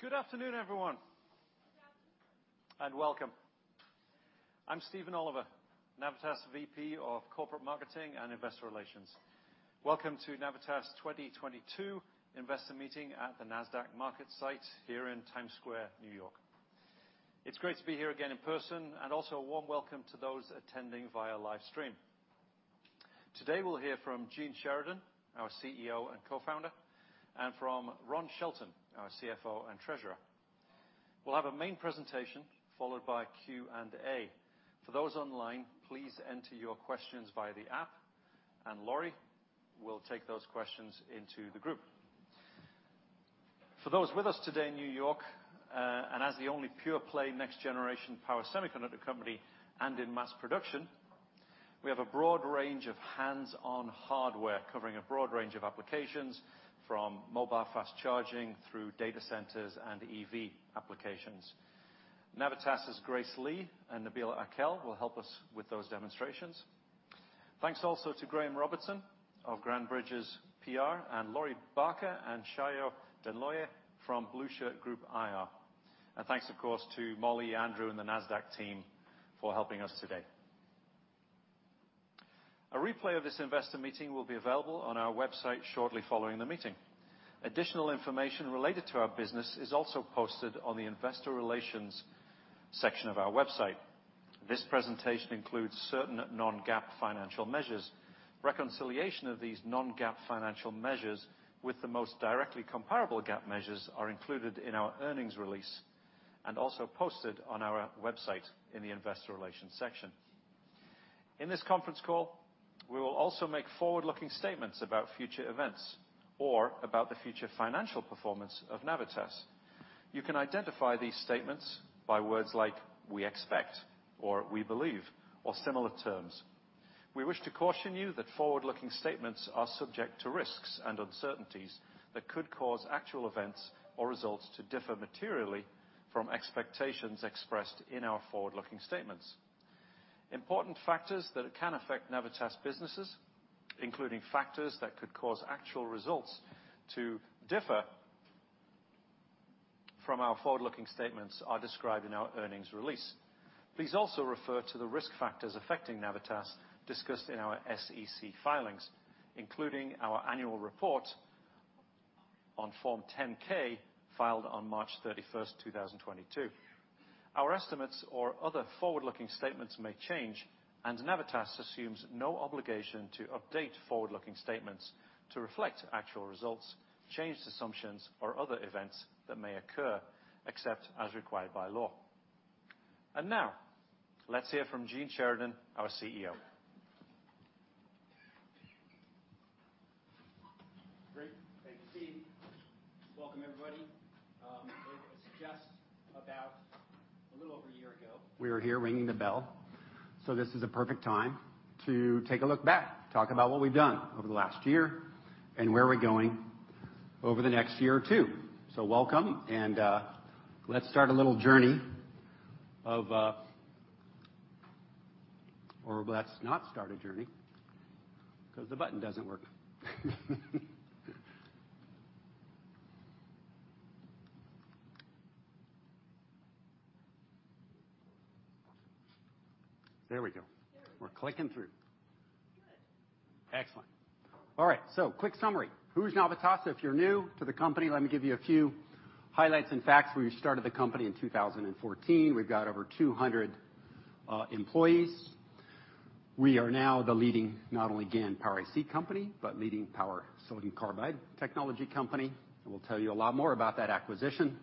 Good afternoon, everyone. Good afternoon. Welcome. I'm Stephen Oliver, Navitas VP of Corporate Marketing and Investor Relations. Welcome to Navitas 2022 investor meeting at the Nasdaq MarketSite ere in Times Square, New York. It's great to be here again in person and also a warm welcome to those attending via live stream. Today, we'll hear from Gene Sheridan, our CEO and co-founder, and from Ron Shelton, our CFO and Treasurer. We'll have a main presentation followed by Q&A. For those online, please enter your questions via the app, and Lori will take those questions into the group. For those with us today in New York, as the only pure play next generation power semiconductor company and in mass production, we have a broad range of hands-on hardware covering a broad range of applications from mobile fast charging through data centers and EV applications. Navitas' Grace Li and Nabil Akel will help us with those demonstrations. Thanks also to Graham Robertson of Grand Bridges PR and Lori Barker and [Shayo Deloye] from Blueshirt Group Investor Relations. Thanks, of course, to Molly, Andrew, and the Nasdaq team for helping us today. A replay of this investor meeting will be available on our website shortly following the meeting. Additional information related to our business is also posted on the investor relations section of our website. This presentation includes certain non-GAAP financial measures. Reconciliation of these non-GAAP financial measures with the most directly comparable GAAP measures are included in our earnings release and also posted on our website in the investor relations section. In this conference call, we will also make forward-looking statements about future events or about the future financial performance of Navitas. You can identify these statements by words like "we expect" or "we believe" or similar terms. We wish to caution you that forward-looking statements are subject to risks and uncertainties that could cause actual events or results to differ materially from expectations expressed in our forward-looking statements. Important factors that can affect Navitas businesses, including factors that could cause actual results to differ from our forward-looking statements, are described in our earnings release. Please also refer to the risk factors affecting Navitas discussed in our SEC filings, including our annual report on Form 10-K filed on March 31st, 2022. Our estimates or other forward-looking statements may change, and Navitas assumes no obligation to update forward-looking statements to reflect actual results, changed assumptions, or other events that may occur, except as required by law. Now, let's hear from Gene Sheridan, our CEO. Great. Thank you, Steve. Welcome, everybody. It was just about a little over a year ago, we were here ringing the bell, so this is a perfect time to take a look back, talk about what we've done over the last year and where we're going over the next year or two. Welcome, and let's not start a journey, 'cause the button doesn't work. There we go. There we go. We're clicking through. Good. Excellent. All right, so quick summary. Who's Navitas? If you're new to the company, let me give you a few highlights and facts. We started the company in 2014. We've got over 200 employees. We are now the leading, not only GaN power IC company, but leading power silicon carbide technology company. We'll tell you a lot more about that acquisition.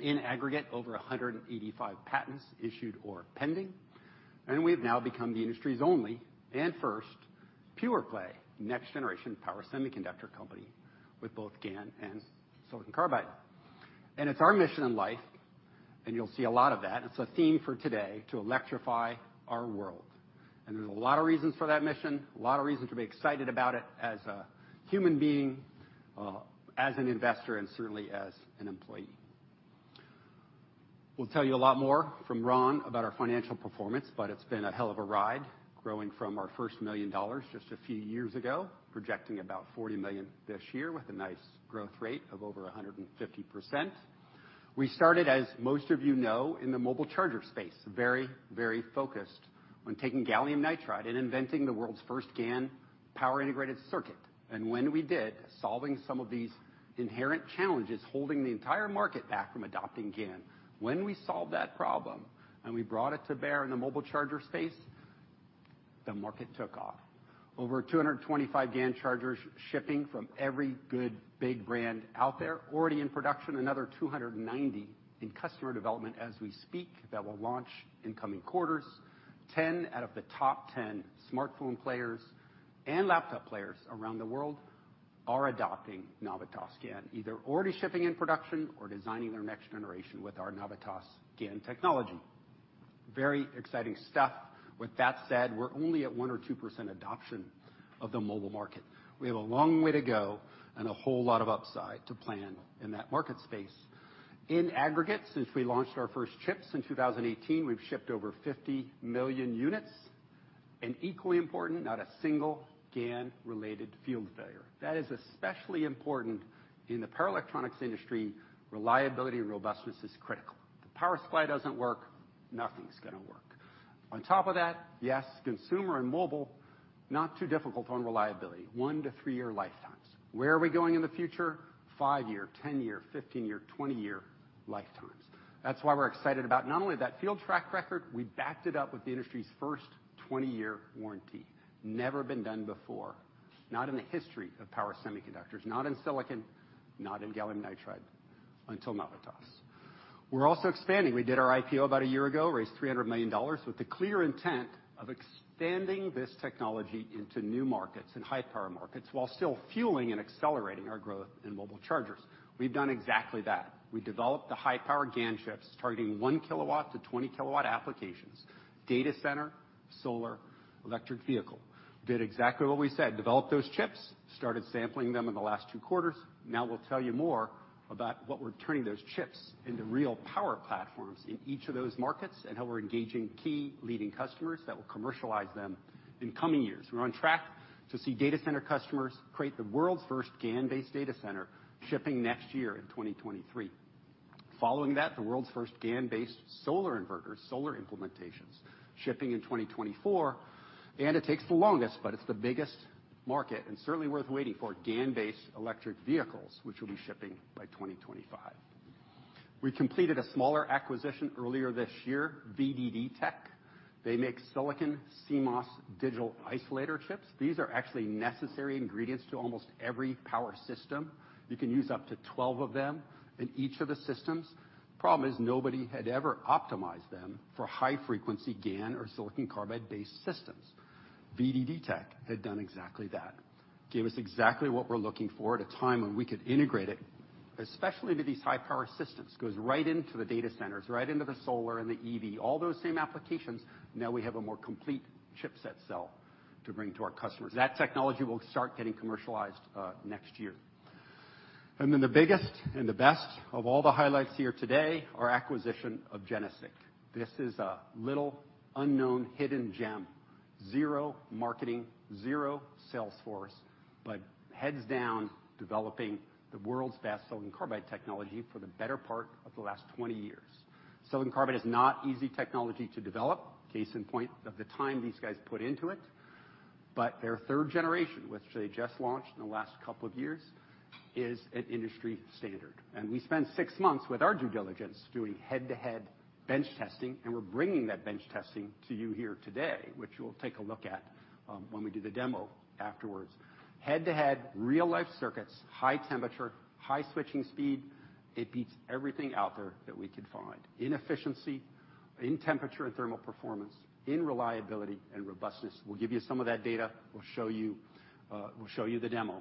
In aggregate, over 185 patents issued or pending. We've now become the industry's only and first pure-play next generation power semiconductor company with both GaN and silicon carbide. It's our mission in life, and you'll see a lot of that, it's a theme for today, to electrify our world. There's a lot of reasons for that mission, a lot of reasons to be excited about it as a human being, as an investor, and certainly as an employee. We'll tell you a lot more from Ron about our financial performance, but it's been a hell of a ride growing from our first $1 million just a few years ago, projecting about $40 million this year with a nice growth rate of over 150%. We started, as most of you know, in the mobile charger space, very, very focused on taking gallium nitride and inventing the world's first GaN power integrated circuit. When we did, solving some of these inherent challenges, holding the entire market back from adopting GaN. When we solved that problem, and we brought it to bear in the mobile charger space, the market took off. Over 225 GaN chargers shipping from every good big brand out there. Already in production, another 290 in customer development as we speak that will launch in coming quarters. 10 out of the top 10 smartphone players and laptop players around the world are adopting Navitas GaN, either already shipping in production or designing their next generation with our Navitas GaN technology. Very exciting stuff. With that said, we're only at 1% or 2% adoption of the mobile market. We have a long way to go and a whole lot of upside to plan in that market space. In aggregate, since we launched our first chips in 2018, we've shipped over 50 million units. Equally important, not a single GaN related field failure. That is especially important in the power electronics industry, reliability and robustness is critical. The power supply doesn't work, nothing's gonna work. On top of that, yes, consumer and mobile, not too difficult on reliability, 1-3-year lifetimes. Where are we going in the future? 5-year, 10-year, 15-year, 20-year lifetimes. That's why we're excited about not only that field track record. We backed it up with the industry's first 20-year warranty. Never been done before, not in the history of power semiconductors, not in silicon, not in gallium nitride, until Navitas. We're also expanding. We did our IPO about a year ago, raised $300 million with the clear intent of expanding this technology into new markets and high power markets while still fueling and accelerating our growth in mobile chargers. We've done exactly that. We developed the high-power GaN chips targeting 1 kW-20 kW applications, data center, solar, electric vehicle. Did exactly what we said. Developed those chips, started sampling them in the last two quarters. Now we'll tell you more about what we're turning those chips into real power platforms in each of those markets, and how we're engaging key leading customers that will commercialize them in coming years. We're on track to see data center customers create the world's first GaN-based data center shipping next year in 2023. Following that, the world's first GaN-based solar inverters, solar implementations, shipping in 2024. It takes the longest, but it's the biggest market and certainly worth waiting for, GaN-based electric vehicles, which will be shipping by 2025. We completed a smaller acquisition earlier this year, VDD Tech. They make silicon CMOS digital isolator chips. These are actually necessary ingredients to almost every power system. You can use up to 12 of them in each of the systems. Problem is, nobody had ever optimized them for high frequency GaN or silicon carbide-based systems. VDD Tech had done exactly that, gave us exactly what we're looking for at a time when we could integrate it, especially into these high-power systems. Goes right into the data centers, right into the solar and the EV, all those same applications. Now we have a more complete chipset cell to bring to our customers. That technology will start getting commercialized next year. Then the biggest and the best of all the highlights here today, our acquisition of GeneSiC. This is a little unknown hidden gem, zero marketing, zero sales force, but heads down developing the world's best silicon carbide technology for the better part of the last 20 years. Silicon carbide is not easy technology to develop. Case in point of the time these guys put into it. Their third generation, which they just launched in the last couple of years, is an industry standard. We spent six months with our due diligence doing head-to-head bench testing, and we're bringing that bench testing to you here today, which we'll take a look at, when we do the demo afterwards. Head-to-head, real-life circuits, high temperature, high switching speed. It beats everything out there that we could find in efficiency, in temperature and thermal performance, in reliability and robustness. We'll give you some of that data. We'll show you the demo.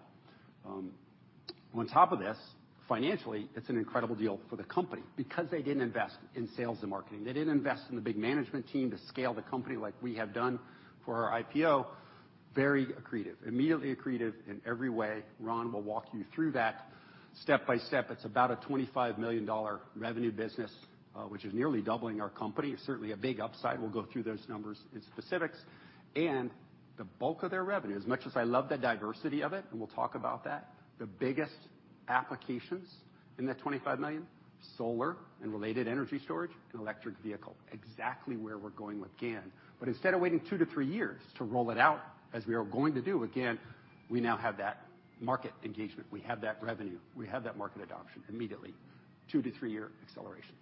On top of this, financially, it's an incredible deal for the company, because they didn't invest in sales and marketing. They didn't invest in the big management team to scale the company like we have done for our IPO. Very accretive, immediately accretive in every way. Ron will walk you through that step by step. It's about a $25 million revenue business, which is nearly doubling our company. Certainly a big upside. We'll go through those numbers and specifics. The bulk of their revenue, as much as I love the diversity of it, and we'll talk about that, the biggest applications in that $25 million, solar and related energy storage and electric vehicle, exactly where we're going with GaN. Instead of waiting 2-3 years to roll it out as we are going to do with GaN, we now have that market engagement. We have that revenue, we have that market adoption immediately, 2-3-year acceleration.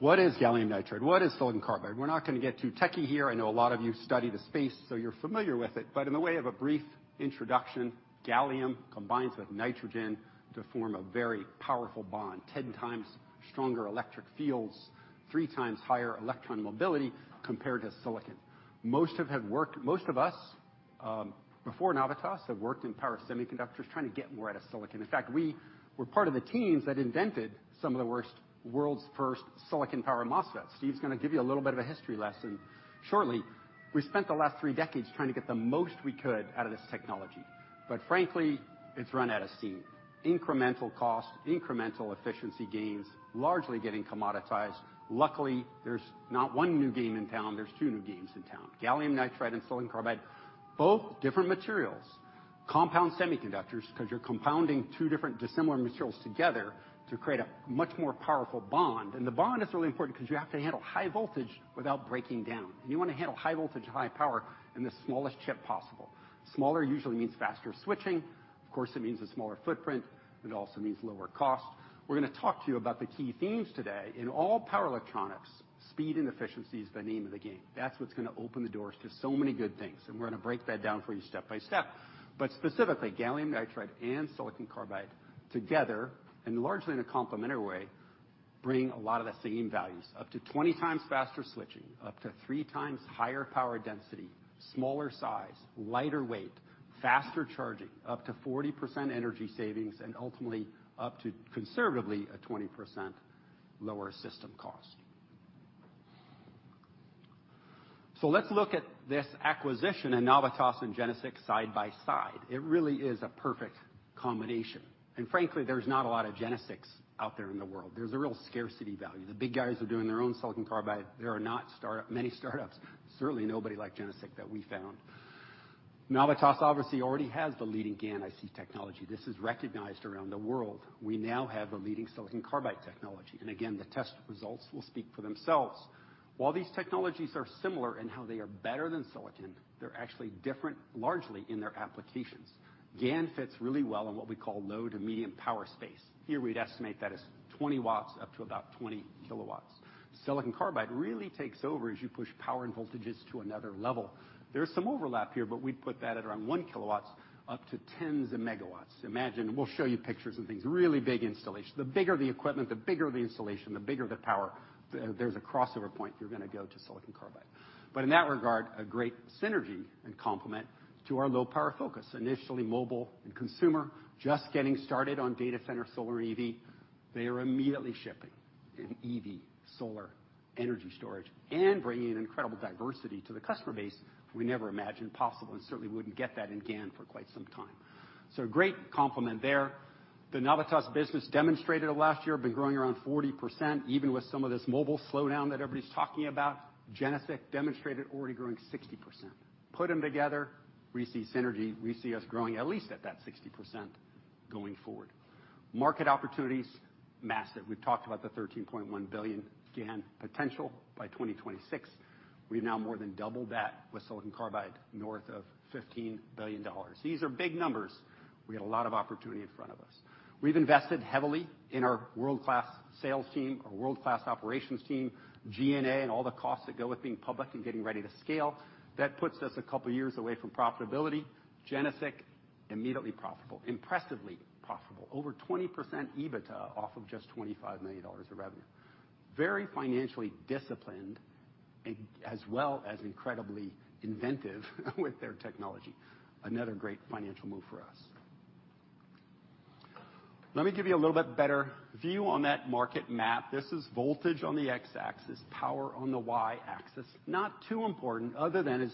What is gallium nitride? What is silicon carbide? We're not gonna get too techie here. I know a lot of you study the space, so you're familiar with it. In the way of a brief introduction, gallium combines with nitrogen to form a very powerful bond, 10x stronger electric fields, 3x higher electron mobility compared to silicon. Most of us, before Navitas, have worked in power semiconductors trying to get more out of silicon. In fact, we were part of the teams that invented the world's first silicon power MOSFET. Steve's gonna give you a little bit of a history lesson shortly. We spent the last three decades trying to get the most we could out of this technology, but frankly, it's run out of steam. Incremental cost, incremental efficiency gains, largely getting commoditized. Luckily, there's not one new game in town, there's two new games in town, gallium nitride and silicon carbide, both different materials. Compound semiconductors, 'cause you're compounding two different dissimilar materials together to create a much more powerful bond. The bond is really important 'cause you have to handle high voltage without breaking down, and you wanna handle high voltage and high power in the smallest chip possible. Smaller usually means faster switching. Of course, it means a smaller footprint. It also means lower cost. We're gonna talk to you about the key themes today. In all power electronics, speed and efficiency is the name of the game. That's what's gonna open the doors to so many good things, and we're gonna break that down for you step by step. Specifically, gallium nitride and silicon carbide together, and largely in a complementary way, bring a lot of the same values, up to 20x faster switching, up to 3x higher power density, smaller size, lighter weight, faster charging, up to 40% energy savings, and ultimately up to conservatively a 20% lower system cost. Let's look at this acquisition and Navitas and GeneSiC side by side. It really is a perfect combination, and frankly, there's not a lot of GeneSiCs out there in the world. There's a real scarcity value. The big guys are doing their own silicon carbide. There are not many startups. Certainly, nobody like GeneSiC that we found. Navitas obviously already has the leading GaN IC technology. This is recognized around the world. We now have the leading silicon carbide technology, and again, the test results will speak for themselves. While these technologies are similar in how they are better than silicon, they're actually different, largely in their applications. GaN fits really well in what we call low to medium power space. Here we'd estimate that as 20 W up to about 20 kW. Silicon carbide really takes over as you push power and voltages to another level. There's some overlap here, but we'd put that at around 1 kW up to tens of megawatts. Imagine, we'll show you pictures of these really big installations. The bigger the equipment, the bigger the installation, the bigger the power. There's a crossover point. You're gonna go to silicon carbide. In that regard, a great synergy and complement to our low power focus. Initially mobile and consumer, just getting started on data center, solar and EV. They are immediately shipping in EV, solar, energy storage, and bringing an incredible diversity to the customer base we never imagined possible, and certainly wouldn't get that in GaN for quite some time. Great complement there. The Navitas business demonstrated last year, been growing around 40%, even with some of this mobile slowdown that everybody's talking about. GeneSiC demonstrated already growing 60%. Put them together, we see synergy. We see us growing at least at that 60% going forward. Market opportunities, massive. We've talked about the $13.1 billion GaN potential by 2026. We've now more than doubled that with silicon carbide, north of $15 billion. These are big numbers. We have a lot of opportunity in front of us. We've invested heavily in our world-class sales team, our world-class operations team, GaN, and all the costs that go with being public and getting ready to scale. That puts us a couple of years away from profitability. GeneSiC, immediately profitable, impressively profitable. Over 20% EBITDA off of just $25 million of revenue. Very financially disciplined, as well as incredibly inventive with their technology. Another great financial move for us. Let me give you a little bit better view on that market map. This is voltage on the X-axis, power on the Y-axis. Not too important other than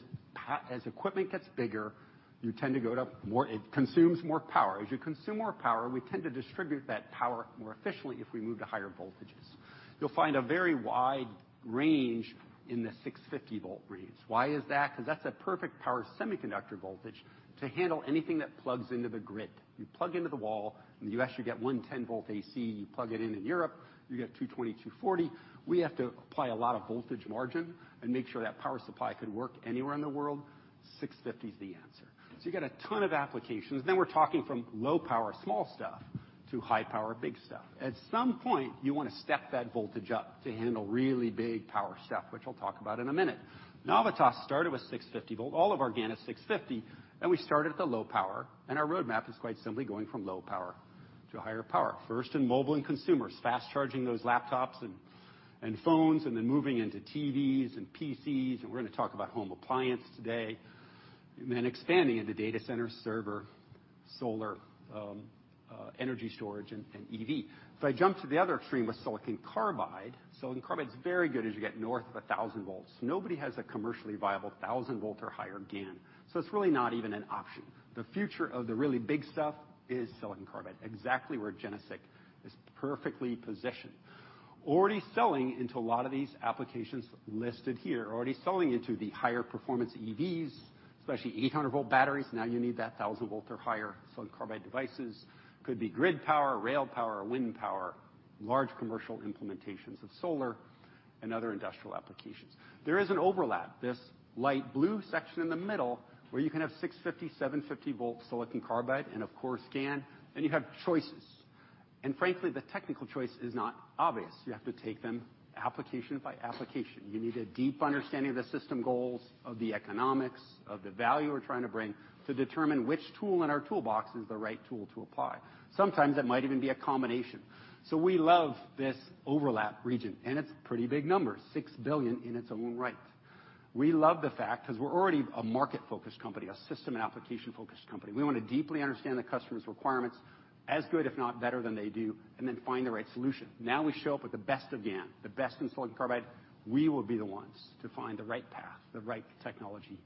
as equipment gets bigger, you tend to go to, it consumes more power. As you consume more power, we tend to distribute that power more efficiently if we move to higher voltages. You'll find a very wide range in the 650 V range. Why is that? 'Cause that's a perfect power semiconductor voltage to handle anything that plugs into the grid. You plug into the wall, in the U.S., you get 110 V AC. You plug it in in Europe, you get 220 V, 240 V. We have to apply a lot of voltage margin and make sure that power supply could work anywhere in the world. 650 V is the answer. So you get a ton of applications. Then we're talking from low power, small stuff, to high power, big stuff. At some point, you wanna step that voltage up to handle really big power stuff, which I'll talk about in a minute. Navit as started with 650 V. All of our GaN is 650 V, and we started at the low power and our roadmap is quite simply going from low power to higher power. First in mobile and consumers, fast charging those laptops and phones, and then moving into TVs and PCs, and we're gonna talk about home appliance today. Then expanding into data center, server, solar, energy storage and EV. If I jump to the other extreme with silicon carbide, silicon carbide is very good as you get north of 1,000 volts. Nobody has a commercially viable 1,000 V or higher GaN, so it's really not even an option. The future of the really big stuff is silicon carbide, exactly where GeneSiC is perfectly positioned. Already selling into a lot of these applications listed here, already selling into the higher performance EVs, especially 800 V batteries. Now you need that 1,000 V There is an overlap, this light blue section in the middle, where you can have 650 V, 750 V silicon carbide and of course GaN, and you have choices. Frankly, the technical choice is not obvious. You have to take them application by application. You need a deep understanding of the system goals of the economics, of the value we're trying to bring to determine which tool in our toolbox is the right tool to apply. Sometimes that might even be a combination. We love this overlap region, and it's pretty big numbers, $6 billion in its own right. We love the fact, 'cause we're already a market-focused company, a system and application-focused company. We wanna deeply understand the customer's requirements as good, if not better than they do, and then find the right solution. Now we show up with the best of GaN, the best in silicon carbide. We will be the ones to find the right path, the right technology,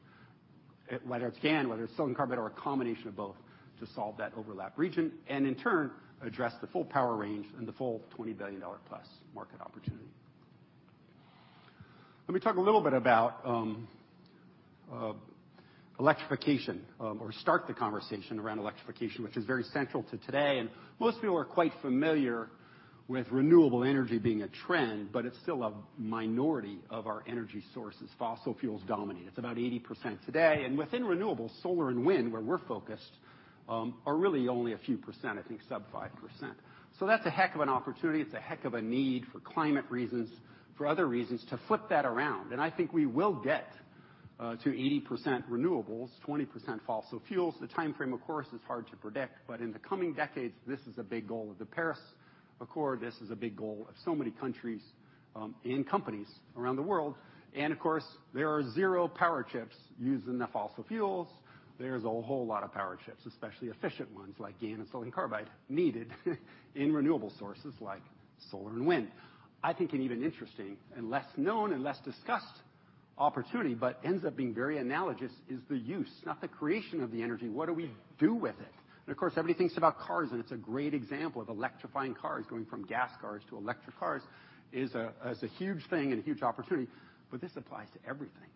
whether it's GaN, whether it's silicon carbide or a combination of both to solve that overlap region and in turn, address the full power range and the full $20 billion+ market opportunity. Let me talk a little bit about electrification or start the conversation around electrification, which is very central to today. Most people are quite familiar with renewable energy being a trend, but it's still a minority of our energy sources. Fossil fuels dominate. It's about 80% today. Within renewables, solar and wind, where we're focused, are really only a few %, I think sub 5%. That's a heck of an opportunity. It's a heck of a need for climate reasons, for other reasons, to flip that around. I think we will get to 80% renewables, 20% fossil fuels. The timeframe, of course, is hard to predict, but in the coming decades, this is a big goal of the Paris Accord. This is a big goal of so many countries and companies around the world. Of course, there are zero power chips used in the fossil fuels. There's a whole lot of power chips, especially efficient ones like GaN and silicon carbide, needed in renewable sources like solar and wind. I think an even interesting and less known and less discussed opportunity, but ends up being very analogous is the use, not the creation of the energy. What do we do with it? Of course, everybody thinks about cars, and it's a great example of electrifying cars, going from gas cars to electric cars is a huge thing and a huge opportunity. This applies to everything.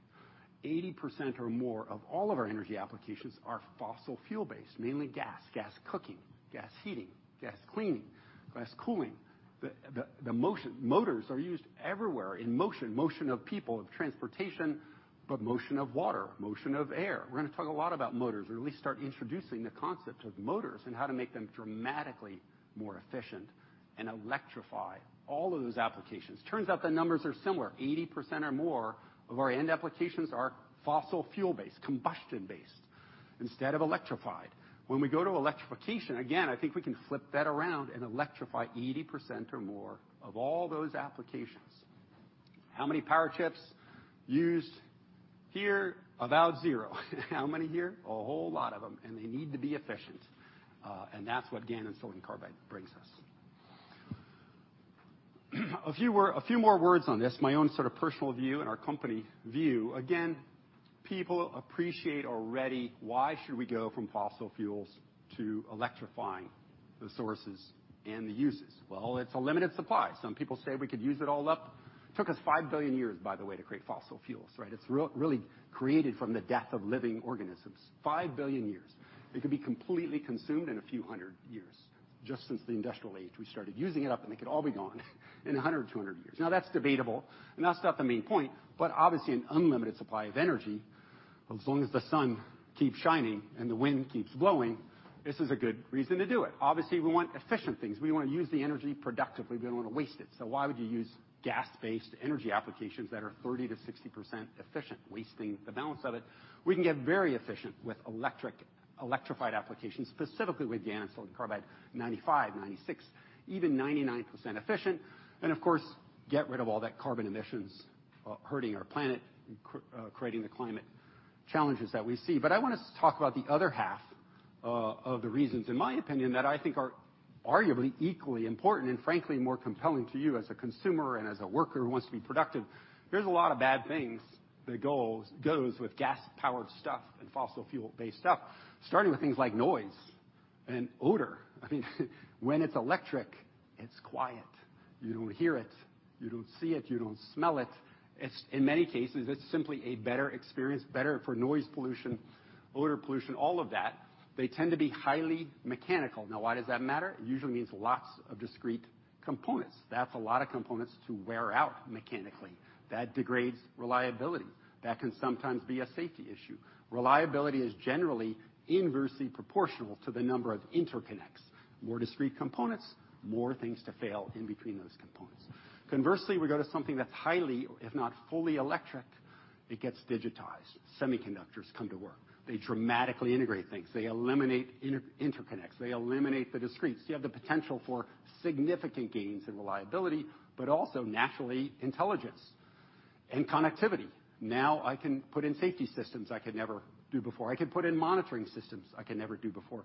80% or more of all of our energy applications are fossil fuel-based, mainly gas. Gas cooking, gas heating, gas cleaning, gas cooling. Motors are used everywhere in motion. Motion of people, of transportation, but motion of water, motion of air. We're gonna talk a lot about motors or at least start introducing the concept of motors and how to make them dramatically more efficient and electrify all of those applications. Turns out the numbers are similar. 80% or more of our end applications are fossil fuel-based, combustion-based, instead of electrified. When we go to electrification, again, I think we can flip that around and electrify 80% or more of all those applications. How many power chips used here? About zero. How many here? A whole lot of them, and they need to be efficient. That's what GaN and silicon carbide brings us. A few more words on this, my own sort of personal view and our company view. Again, people appreciate already why should we go from fossil fuels to electrifying the sources and the uses? Well, it's a limited supply. Some people say we could use it all up. Took us 5 billion years, by the way, to create fossil fuels, right? It's really created from the death of living organisms. 5 billion years. It could be completely consumed in a few hundred years. Just since the industrial age, we started using it up, and they could all be gone in 100, 200 years. Now that's debatable, and that's not the main point, but obviously an unlimited supply of energy, as long as the sun keeps shining and the wind keeps blowing, this is a good reason to do it. Obviously, we want efficient things. We wanna use the energy productively. We don't wanna waste it. Why would you use gas-based energy applications that are 30%-60% efficient, wasting the balance of it? We can get very efficient with electrified applications, specifically with GaN and silicon carbide, 95%, 96%, even 99% efficient, and of course, get rid of all that carbon emissions, hurting our planet and creating the climate challenges that we see. I wanna talk about the other half of the reasons, in my opinion, that I think are arguably equally important and frankly more compelling to you as a consumer and as a worker who wants to be productive. There's a lot of bad things that goes with gas-powered stuff and fossil fuel-based stuff, starting with things like noise and odor. I mean, when it's electric, it's quiet. You don't hear it. You don't see it. You don't smell it. It's. In many cases, it's simply a better experience, better for noise pollution, odor pollution, all of that. They tend to be highly mechanical. Now why does that matter? It usually means lots of discrete components. That's a lot of components to wear out mechanically. That degrades reliability. That can sometimes be a safety issue. Reliability is generally inversely proportional to the number of interconnects. More discrete components, more things to fail in between those components. Conversely, we go to something that's highly, if not fully electric, it gets digitized. Semiconductors come to work. They dramatically integrate things. They eliminate interconnects. They eliminate the discretes. You have the potential for significant gains in reliability, but also naturally intelligence and connectivity. Now I can put in safety systems I could never do before. I can put in monitoring systems I could never do before.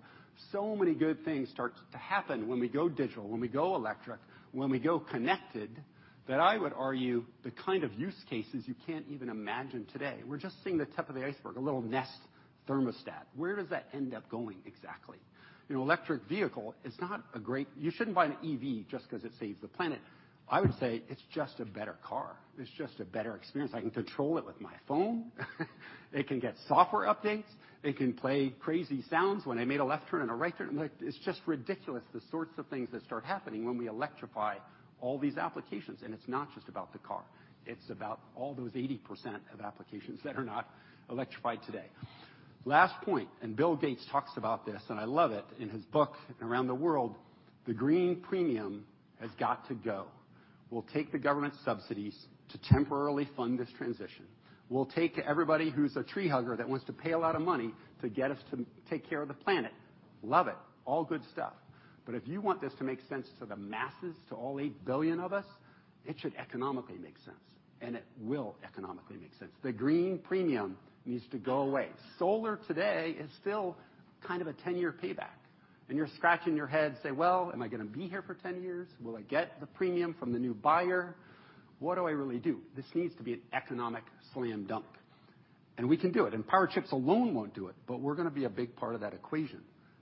Many good things start to happen when we go digital, when we go electric, when we go connected, that I would argue the kind of use cases you can't even imagine today. We're just seeing the tip of the iceberg, a little Nest thermostat. Where does that end up going exactly? An electric vehicle is not. You shouldn't buy an EV just 'cause it saves the planet. I would say it's just a better car. It's just a better experience. I can control it with my phone. It can get software updates. It can play crazy sounds when I made a left turn and a right turn. Like, it's just ridiculous the sorts of things that start happening when we electrify all these applications, and it's not just about the car. It's about all those 80% of applications that are not electrified today. Last point, and Bill Gates talks about this, and I love it in his book, Around the World, the green premium has got to go. We'll take the government subsidies to temporarily fund this transition. We'll take everybody who's a tree hugger that wants to pay a lot of money to get us to take care of the planet. Love it. All good stuff. If you want this to make sense to the masses, to all 8 billion of us, it should economically make sense, and it will economically make sense. The green premium needs to go away. Solar today is still kind of a 10-year payback, and you're scratching your head saying, "Well, am I gonna be here for 10 years? Will I get the premium from the new buyer? What do I really do?" This needs to be an economic slam dunk. We can do it. Power chips alone won't do it, but we're gonna be a big part of that equation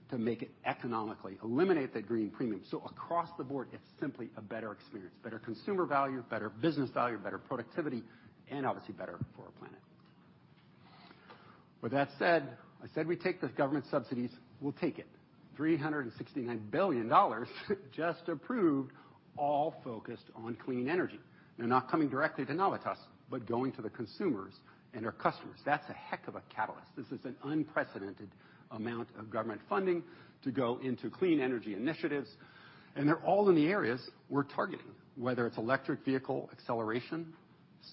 to make it economically eliminate the green premium. Across the board, it's simply a better experience, better consumer value, better business value, better productivity, and obviously better for our planet. With that said, I said we take the government subsidies, we'll take it. $369 billion just approved, all focused on clean energy. They're not coming directly to Navitas, but going to the consumers and our customers. That's a heck of a catalyst. This is an unprecedented amount of government funding to go into clean energy initiatives, and they're all in the areas we're targeting, whether it's electric vehicle acceleration,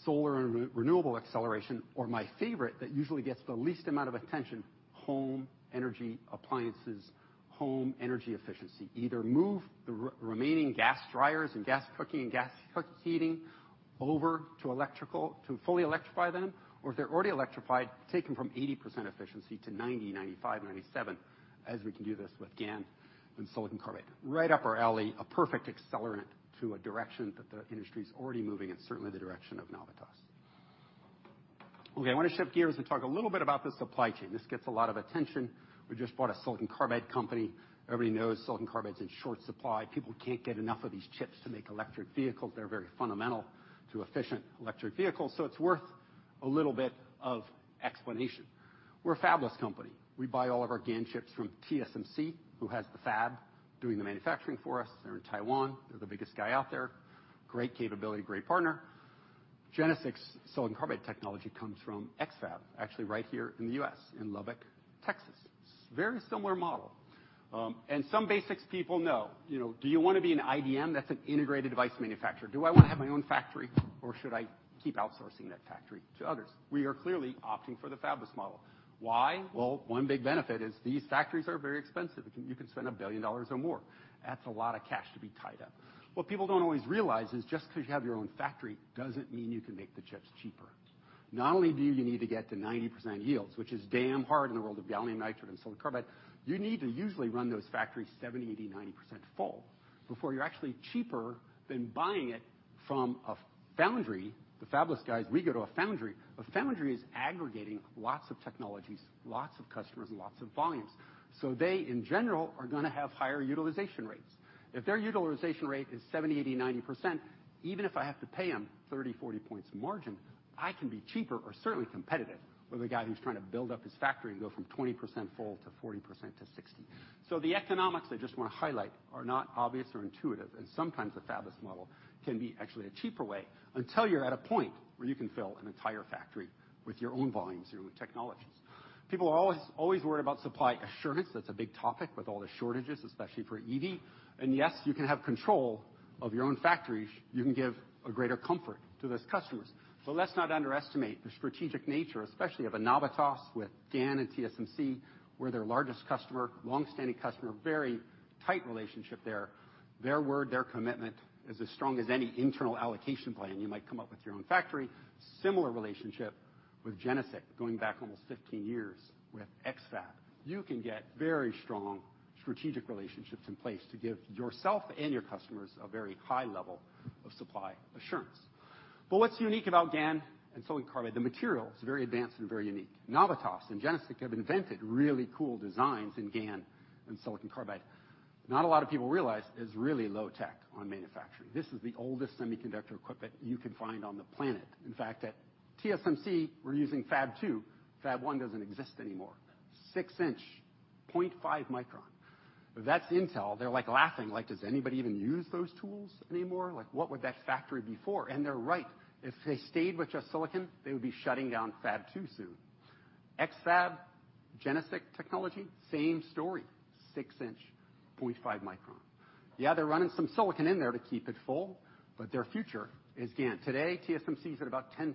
solar and renewable acceleration, or my favorite that usually gets the least amount of attention, home energy appliances, home energy efficiency. Either move the remaining gas dryers and gas cooking and gas heating over to electrical to fully electrify them, or if they're already electrified, take them from 80% efficiency to 90%, 95%, 97%, as we can do this with GaN and silicon carbide. Right up our alley, a perfect accelerant to a direction that the industry is already moving in, certainly the direction of Navitas. Okay, I want to shift gears and talk a little bit about the supply chain. This gets a lot of attention. We just bought a silicon carbide company. Everybody knows silicon carbide is in short supply. People can't get enough of these chips to make electric vehicles. They're very fundamental to efficient electric vehicles, so it's worth a little bit of explanation. We're a fabless company. We buy all of our GaN chips from TSMC, who has the fab doing the manufacturing for us. They're in Taiwan. They're the biggest guy out there, great capability, great partner. GeneSiC's silicon carbide technology comes from X-FAB, actually right here in the U.S., in Lubbock, Texas. Very similar model. Some basics people know, you know, do you want to be an IDM? That's an integrated device manufacturer. Do I want to have my own factory, or should I keep outsourcing that factory to others? We are clearly opting for the fabless model. Why? Well, one big benefit is these factories are very expensive. You can spend $1 billion or more. That's a lot of cash to be tied up. What people don't always realize is just 'cause you have your own factory doesn't mean you can make the chips cheaper. Not only do you need to get to 90% yields, which is damn hard in the world of gallium nitride and silicon carbide, you need to usually run those factories 70%, 80%, 90% full before you're actually cheaper than buying it from a foundry. The fabless guys, we go to a foundry. A foundry is aggregating lots of technologies, lots of customers, and lots of volumes. They, in general, are gonna have higher utilization rates. If their utilization rate is 70%, 80%, 90%, even if I have to pay them 30, 40 points margin, I can be cheaper or certainly competitive with the guy who's trying to build up his factory and go from 20% full to 40% to 60%. The economics I just wanna highlight are not obvious or intuitive, and sometimes the fabless model can be actually a cheaper way until you're at a point where you can fill an entire factory with your own volumes, your own technologies. People are always worried about supply assurance. That's a big topic with all the shortages, especially for EV. Yes, you can have control of your own factories. You can give a greater comfort to those customers. Let's not underestimate the strategic nature, especially of a Navitas with GaN and TSMC. We're their largest customer, long-standing customer, very tight relationship there. Their word, their commitment is as strong as any internal allocation plan you might come up with your own factory. Similar relationship with GeneSiC going back almost 15 years with X-FAB. You can get very strong strategic relationships in place to give yourself and your customers a very high level of supply assurance. What's unique about GaN and silicon carbide, the material is very advanced and very unique. Navitas and GeneSiC have invented really cool designs in GaN and silicon carbide. Not a lot of people realize it's really low tech on manufacturing. This is the oldest semiconductor equipment you can find on the planet. In fact, at TSMC, we're using Fab 2. Fab 1 doesn't exist anymore. 6-inch, 0.5 micron. If that's Intel, they're like laughing, like, "Does anybody even use those tools anymore? Like, what would that factory be for?" They're right. If they stayed with just silicon, they would be shutting down Fab 2 soon. X-FAB, GeneSiC, same story. 6-inch, 0.5 micron. Yeah, they're running some silicon in there to keep it full, but their future is GaN. Today, TSMC is at about 10%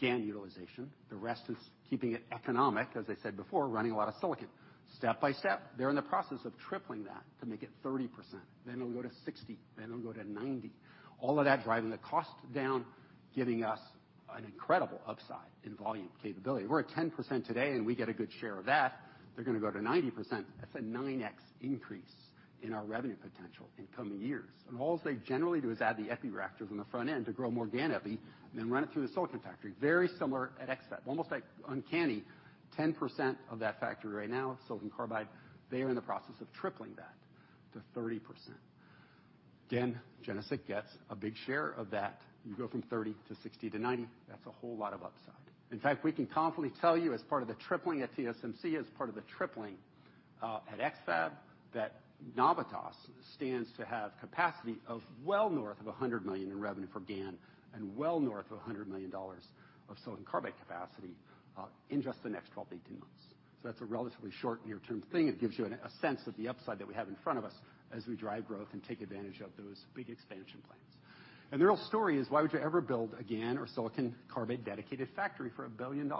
GaN utilization. The rest is keeping it economic, as I said before, running a lot of silicon. Step by step, they're in the process of tripling that to make it 30%. Then it'll go to 60, then it'll go to 90. All of that driving the cost down, giving us an incredible upside in volume capability. We're at 10% today, and we get a good share of that. They're gonna go to 90%. That's a 9x increase in our revenue potential in coming years. All they generally do is add the epi reactors on the front end to grow more GaN epi and then run it through the silicon factory. Very similar at X-FAB, almost like uncanny. 10% of that factory right now, silicon carbide, they are in the process of tripling that to 30%. Again, GeneSiC gets a big share of that. You go from 30% to 60% to 90%, that's a whole lot of upside. In fact, we can confidently tell you as part of the tripling at TSMC, as part of the tripling at X-FAB, that Navitas stands to have capacity of well north of $100 million in revenue for GaN and well north of $100 million of silicon carbide capacity in just the next 12-18 months. That's a relatively short near-term thing. It gives you a sense of the upside that we have in front of us as we drive growth and take advantage of those big expansion plans. The real story is why would you ever build a GaN or silicon carbide dedicated factory for $1 billion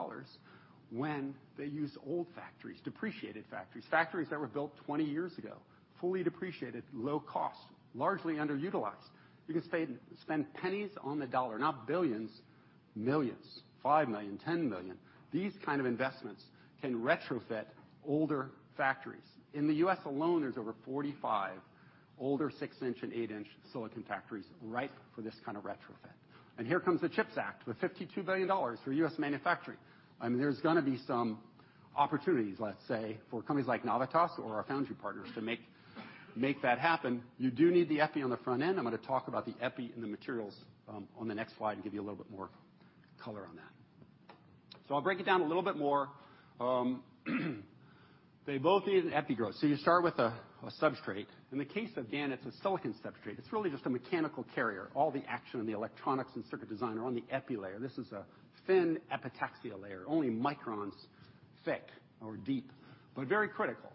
when they use old factories, depreciated factories that were built 20 years ago, fully depreciated, low cost, largely underutilized. You can spend pennies on the dollar, not billions, millions, $5 million, $10 million. These kind of investments can retrofit older factories. In the U.S. alone, there's over 45 older 6-inch and 8-inch silicon factories ripe for this kind of retrofit. Here comes the CHIPS Act with $52 billion for U.S. manufacturing. I mean, there's gonna be some opportunities, let's say, for companies like Navitas or our foundry partners to make that happen. You do need the epi on the front end. I'm gonna talk about the epi and the materials on the next slide and give you a little bit more color on that. I'll break it down a little bit more. They both need an epi growth. You start with a substrate. In the case of GaN, it's a silicon substrate. It's really just a mechanical carrier. All the action and the electronics and circuit design are on the epi layer. This is a thin epitaxial layer, only microns thick or deep, but very critical.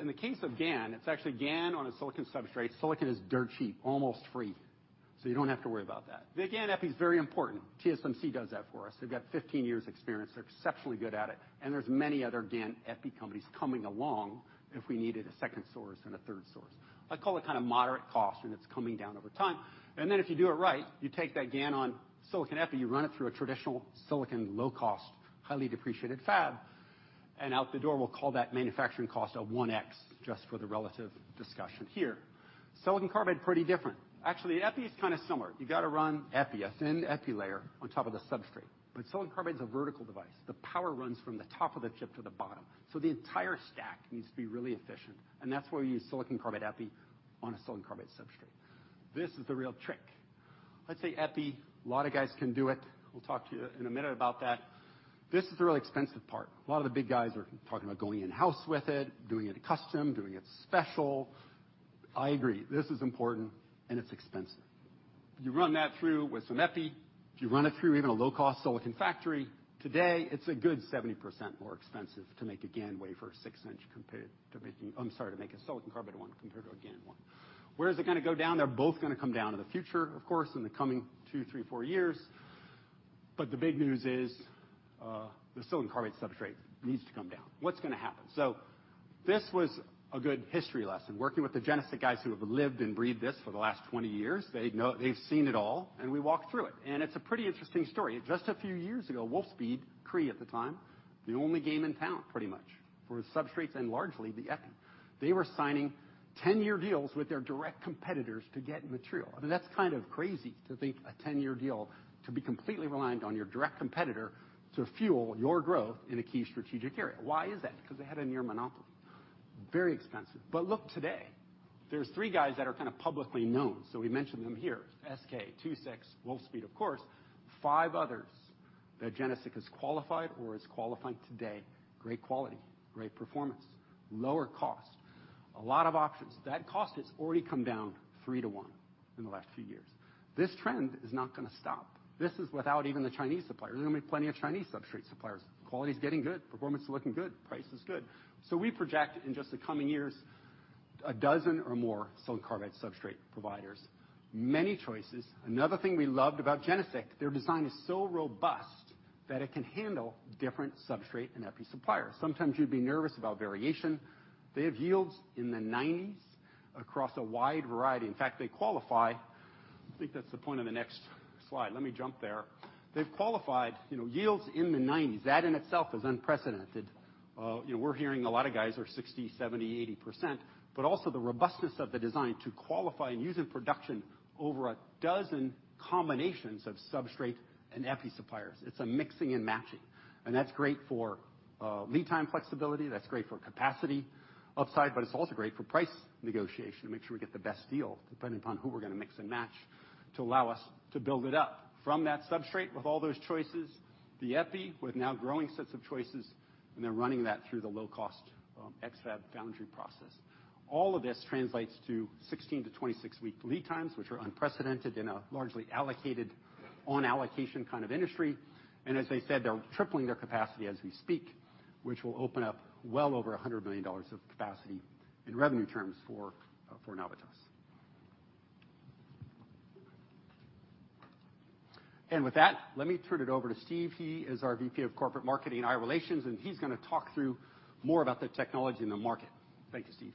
In the case of GaN, it's actually GaN on a silicon substrate. Silicon is dirt cheap, almost free, so you don't have to worry about that. The GaN epi is very important. TSMC does that for us. They've got 15 years experience. They're exceptionally good at it, and there's many other GaN epi companies coming along if we needed a second source and a third source. I call it kind of moderate cost, and it's coming down over time. If you do it right, you take that GaN on silicon carbide epitaxy, you run it through a traditional silicon low cost, highly depreciated fab, and out the door, we'll call that manufacturing cost a 1x just for the relative discussion here. Silicon carbide, pretty different. Actually, epi is kind of similar. You got to run epi, a thin epi layer on top of the substrate. Silicon carbide is a vertical device. The power runs from the top of the chip to the bottom, so the entire stack needs to be really efficient, and that's why we use silicon carbide epi on a silicon carbide substrate. This is the real trick. Let's say epi, a lot of guys can do it. We'll talk to you in a minute about that. This is the really expensive part. A lot of the big guys are talking about going in-house with it, doing it custom, doing it special. I agree. This is important, and it's expensive. You run that through with some epi. If you run it through even a low-cost silicon factory, today it's a good 70% more expensive to make a silicon carbide one compared to a GaN one. Where is it gonna go down? They're both gonna come down in the future, of course, in the coming 2, 3, 4 years. The big news is, the silicon carbide substrate needs to come down. What's gonna happen? This was a good history lesson, working with the GeneSiC guys who have lived and breathed this for the last 20 years. They know. They've seen it all, and we walked through it. It's a pretty interesting story. Just a few years ago, Wolfspeed, Cree at the time, the only game in town pretty much for substrates and largely the epi. They were signing 10-year deals with their direct competitors to get material. I mean, that's kind of crazy to think a 10-year deal to be completely reliant on your direct competitor to fuel your growth in a key strategic area. Why is that? Because they had a near monopoly. Very expensive. Look today, there are three guys that are kind of publicly known, so we mention them here, SK Siltron, II-VI, Wolfspeed, of course. Five others that GeneSiC has qualified or is qualifying today. Great quality, great performance, lower cost, a lot of options. That cost has already come down 3-to-1 in the last few years. This trend is not gonna stop. This is without even the Chinese suppliers. There are gonna be plenty of Chinese substrate suppliers. Quality is getting good. Performance is looking good. Price is good. So we project in just the coming years, 12 or more silicon carbide substrate providers, many choices. Another thing we loved about GeneSiC, their design is so robust that it can handle different substrate and epi suppliers. Sometimes you'd be nervous about variation. They have yields in the 90s across a wide variety. In fact, they qualify. I think that's the point of the next slide. Let me jump there. They've qualified, you know, yields in the 90s%. That in itself is unprecedented. You know, we're hearing a lot of guys are 60%, 70, 80%, but also the robustness of the design to qualify and use in production over a dozen combinations of substrate and epi suppliers. It's a mixing and matching, and that's great for lead time flexibility, that's great for capacity upside, but it's also great for price negotiation to make sure we get the best deal depending upon who we're gonna mix and match to allow us to build it up. From that substrate with all those choices, the epi with now growing sets of choices, and they're running that through the low-cost X-FAB foundry process. All of this translates to 16-26 week lead times, which are unprecedented in a largely allocated on allocation kind of industry. As I said, they're tripling their capacity as we speak, which will open up well over $100 million of capacity in revenue terms for Navitas. With that, let me turn it over to Steve. He is our VP of Corporate Marketing and Investor Relations, and he's gonna talk through more about the technology in the market. Thank you, Steve.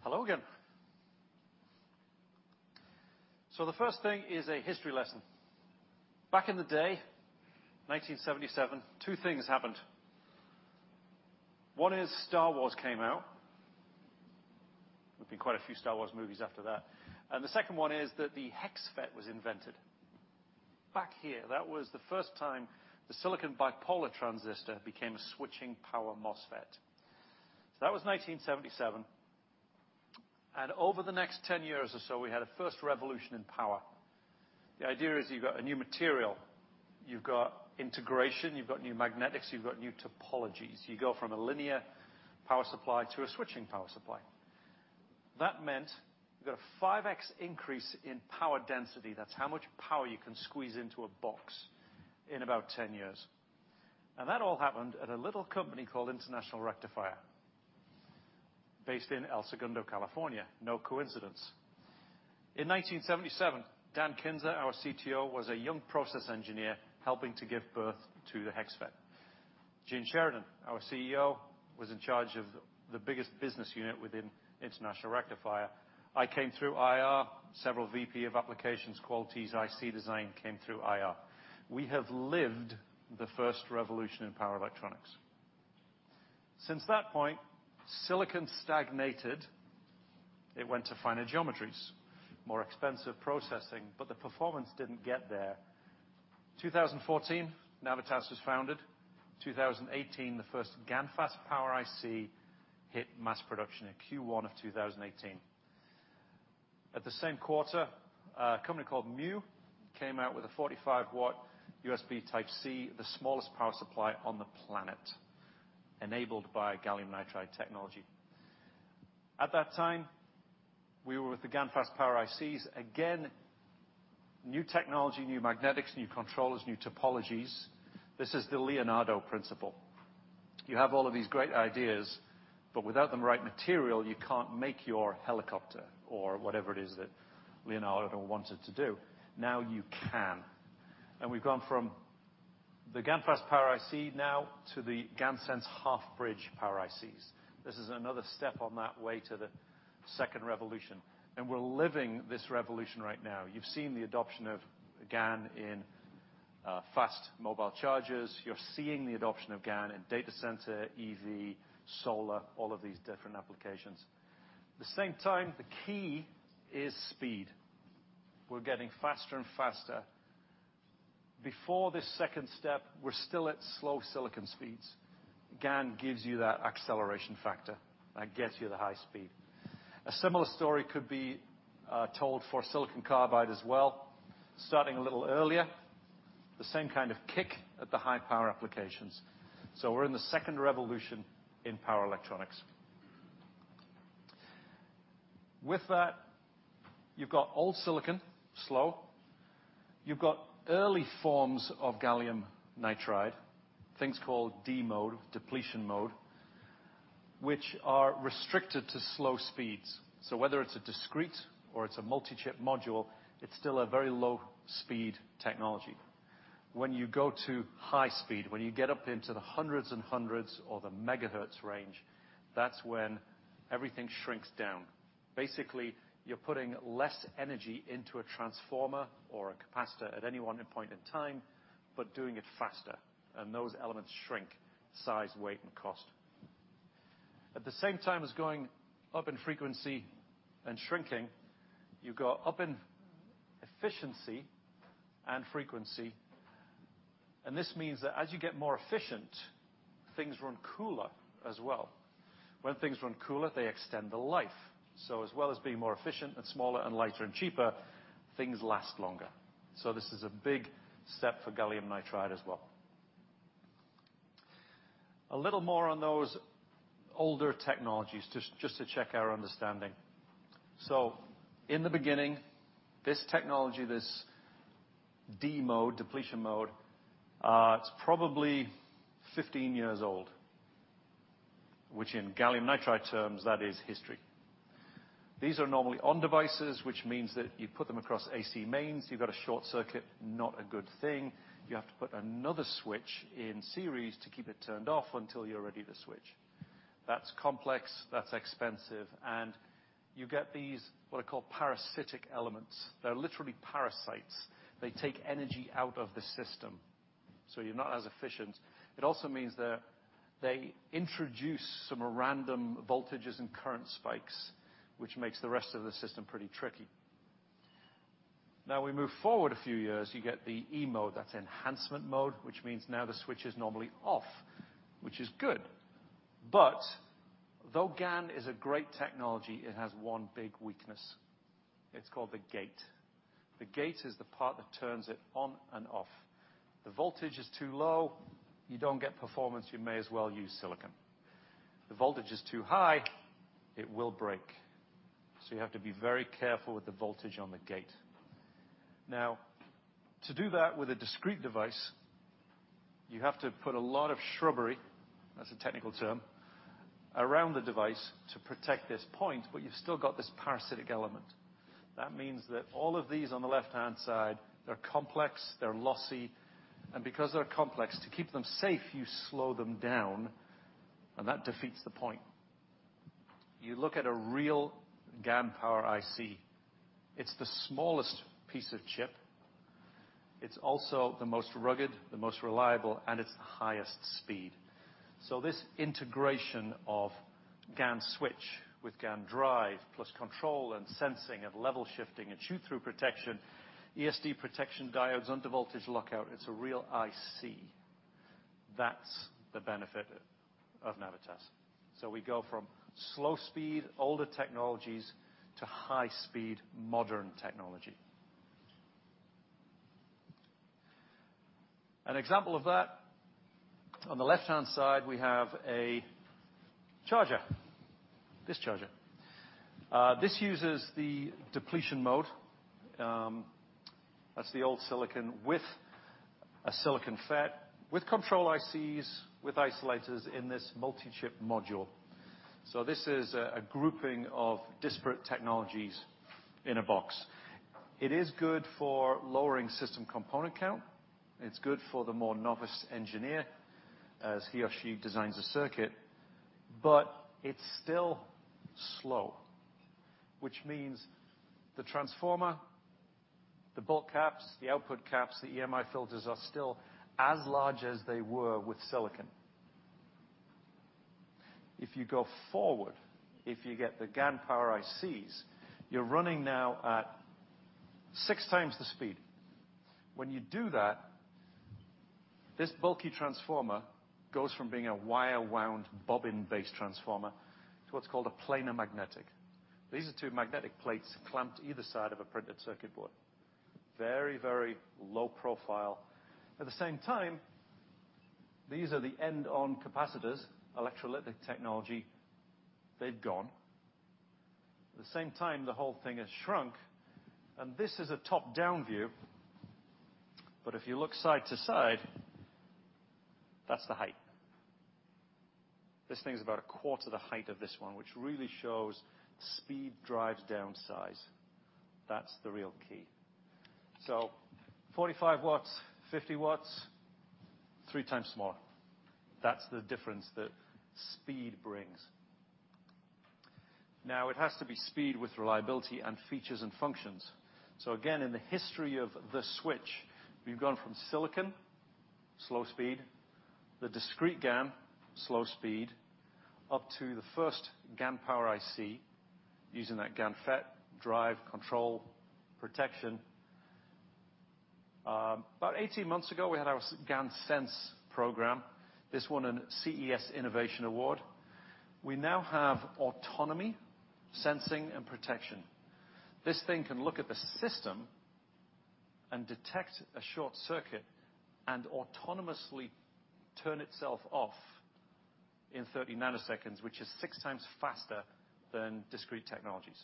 Hello again. The first thing is a history lesson. Back in the day, 1977, two things happened. One is Star Wars came out. There have been quite a few Star Wars movies after that. The second one is that the HEXFET was invented. Back then, that was the first time the silicon bipolar transistor became a switching power MOSFET. That was 1977. Over the next 10 years or so, we had a first revolution in power. The idea is you've got a new material, you've got integration, you've got new magnetics, you've got new topologies. You go from a linear power supply to a switching power supply. That meant you got a 5x increase in power density. That's how much power you can squeeze into a box in about 10 years. That all happened at a little company called International Rectifier based in El Segundo, California. No coincidence. In 1977, Dan Kinzer, our CTO, was a young process engineer helping to give birth to the HEXFET. Gene Sheridan, our CEO, was in charge of the biggest business unit within International Rectifier. I came through IR. Several VP of Applications, Quality, IC Design came through IR. We have lived the first revolution in power electronics. Since that point, silicon stagnated. It went to finer geometries, more expensive processing, but the performance didn't get there. In 2014, Navitas was founded. In 2018, the first GaNFast power IC hit mass production in Q1 of 2018. At the same quarter, a company called Mu One came out with a 45 W USB Type-C, the smallest power supply on the planet, enabled by gallium nitride technology. At that time, we were with the GaNFast power ICs. Again, new technology, new magnetics, new controllers, new topologies. This is the Leonardo principle. You have all of these great ideas, but without the right material, you can't make your helicopter or whatever it is that Leonardo wanted to do. Now you can. We've gone from the GaNFast power IC now to the GaNSense half-bridge power ICs. This is another step on that way to the second revolution, and we're living this revolution right now. You've seen the adoption of GaN in fast mobile charges. You're seeing the adoption of GaN in data center, EV, solar, all of these different applications. The same time, the key is speed. We're getting faster and faster. Before this second step, we're still at slow silicon speeds. GaN gives you that acceleration factor, that gets you the high speed. A similar story could be told for silicon carbide as well. Starting a little earlier, the same kind of kick at the high-power applications. We're in the second revolution in power electronics. With that, you've got old silicon, slow. You've got early forms of gallium nitride, things called D-mode, depletion mode, which are restricted to slow speeds. Whether it's a discrete or it's a multi-chip module, it's still a very low-speed technology. When you go to high speed, when you get up into the hundreds and hundreds or the megahertz range, that's when everything shrinks down. Basically, you're putting less energy into a transformer or a capacitor at any one point in time, but doing it faster, and those elements shrink size, weight, and cost. At the same time as going up in frequency and shrinking, you go up in efficiency and frequency, and this means that as you get more efficient, things run cooler as well. When things run cooler, they extend the life. As well as being more efficient and smaller and lighter and cheaper, things last longer. This is a big step for gallium nitride as well. A little more on those older technologies, just to check our understanding. In the beginning, this technology, this D-mode, depletion-mode, it's probably 15 years old, which in gallium nitride terms, that is history. These are normally-on devices, which means that you put them across AC mains. You've got a short circuit, not a good thing. You have to put another switch in series to keep it turned off until you're ready to switch. That's complex, that's expensive, and you get these, what are called parasitic elements. They're literally parasites. They take energy out of the system, so you're not as efficient. It also means that they introduce some random voltages and current spikes, which makes the rest of the system pretty tricky. Now we move forward a few years, you get the E-mode, that's enhancement mode, which means now the switch is normally off, which is good. Though GaN is a great technology, it has one big weakness. It's called the gate. The gate is the part that turns it on and off. The voltage is too low, you don't get performance, you may as well use silicon. The voltage is too high, it will break. You have to be very careful with the voltage on the gate. Now, to do that with a discrete device, you have to put a lot of shrubbery, that's a technical term, around the device to protect this point, but you've still got this parasitic element. That means that all of these on the left-hand side, they're complex, they're lossy, and because they're complex, to keep them safe, you slow them down, and that defeats the point. You look at a real GaN power IC, it's the smallest piece of chip. It's also the most rugged, the most reliable, and it's the highest speed. This integration of GaN switch with GaN drive, plus control and sensing of level shifting and shoot-through protection, ESD protection diodes undervoltage lockout, it's a real IC. That's the benefit of Navitas. We go from slow speed, older technologies, to high speed, modern technology. An example of that, on the left-hand side, we have a charger. This charger. This uses the depletion mode, that's the old silicon with a silicon MOSFET, with control ICs, with isolators in this multi-chip module. This is a grouping of disparate technologies in a box. It is good for lowering system component count. It's good for the more novice engineer as he or she designs a circuit, but it's still slow, which means the transformer, the bulk caps, the output caps, the EMI filters are still as large as they were with silicon. If you go forward, if you get the GaN power ICs, you're running now at 6x the speed. When you do that, this bulky transformer goes from being a wire wound bobbin-based transformer to what's called a planar magnetic. These are two magnetic plates clamped either side of a printed circuit board. Very, very low profile. At the same time, these are the end-on capacitors, electrolytic technology, they've gone. At the same time, the whole thing has shrunk, and this is a top-down view. If you look side to side, that's the height. This thing's about a quarter the height of this one, which really shows speed drives down size. That's the real key. 45 W, 50 W, 3x more. That's the difference that speed brings. Now it has to be speed with reliability and features and functions. Again, in the history of the switch, we've gone from silicon, slow speed, the discrete GaN, slow speed, up to the first GaN power IC using that GaN FET, drive, control, protection. About 18 months ago, we had our GaNSense program. This won a CES Innovation Award. We now have autonomy, sensing, and protection. This thing can look at the system and detect a short circuit and autonomously turn itself off in 30 nanoseconds, which is 6x faster than discrete technologies.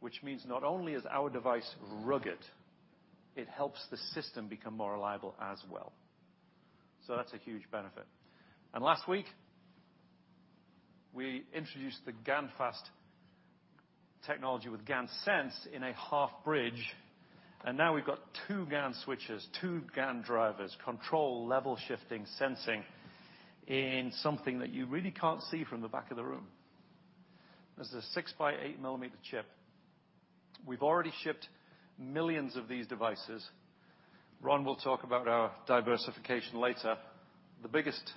Which means not only is our device rugged, it helps the system become more reliable as well. That's a huge benefit. Last week, we introduced the GaNFast technology with GaNSense in a half bridge. Now we've got two GaN switches, two GaN drivers, control, level shifting, sensing in something that you really can't see from the back of the room. This is a 6-by-8 millimeter chip. We've already shipped millions of these devices. Ron will talk about our diversification later. The biggest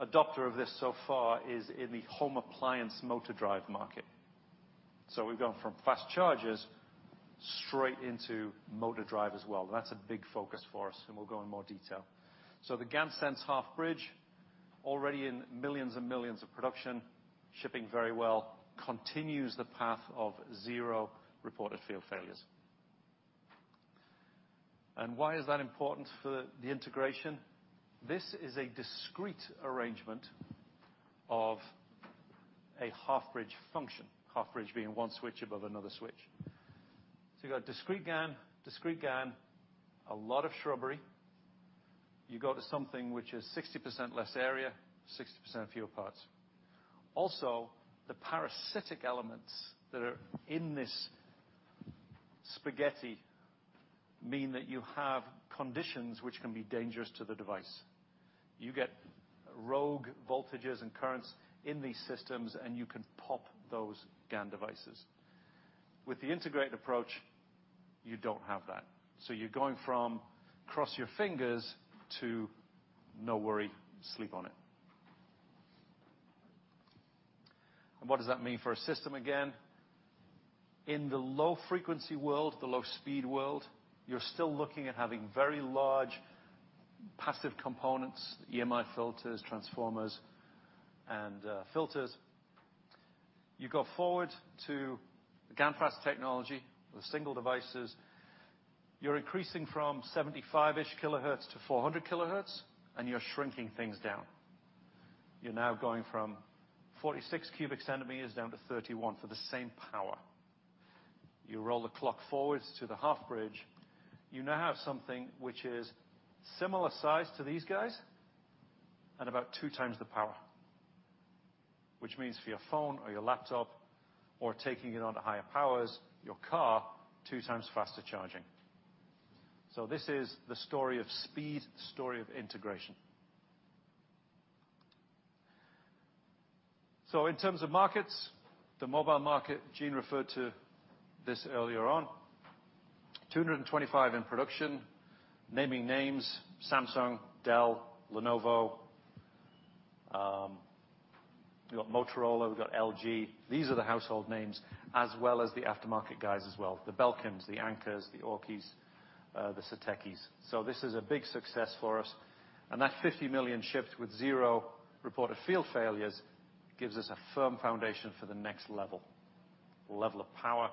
adopter of this so far is in the home appliance motor drive market. We've gone from fast chargers straight into motor drive as well. That's a big focus for us, and we'll go in more detail. The GaNSense half-bridge, already in millions and millions of production, shipping very well, continues the path of zero reported field failures. Why is that important for the integration? This is a discrete arrangement of a half bridge function, half bridge being one switch above another switch. You've got discrete GaN, discrete GaN, a lot of shrubbery. You go to something which is 60% less area, 60% fewer parts. Also, the parasitic elements that are in this spaghetti mean that you have conditions which can be dangerous to the device. You get rogue voltages and currents in these systems, and you can pop those GaN devices. With the integrated approach, you don't have that. You're going from cross your fingers to no worry, sleep on it. What does that mean for a system again? In the low frequency world, the low speed world, you're still looking at having very large passive components, EMI filters, transformers, and filters. You go forward to GaNFast technology with single devices. You're increasing from 75-ish kHz to 400 kHz, and you're shrinking things down. You're now going from 46 cc down to 31 cc for the same power. You roll the clock forwards to the half bridge, you now have something which is similar size to these guys and about 2x the power, which means for your phone or your laptop or taking it on to higher powers, your car, 2x faster charging. This is the story of speed, the story of integration. In terms of markets, the mobile market, Gene referred to this earlier on, 225 in production. Naming names, Samsung, Dell, Lenovo, we've got Motorola, we've got LG. These are the household names, as well as the aftermarket guys as well, the Belkin, the Anker, the AUKEY, the Satechi. This is a big success for us, and that 50 million shipped with zero reported field failures gives us a firm foundation for the next level of power,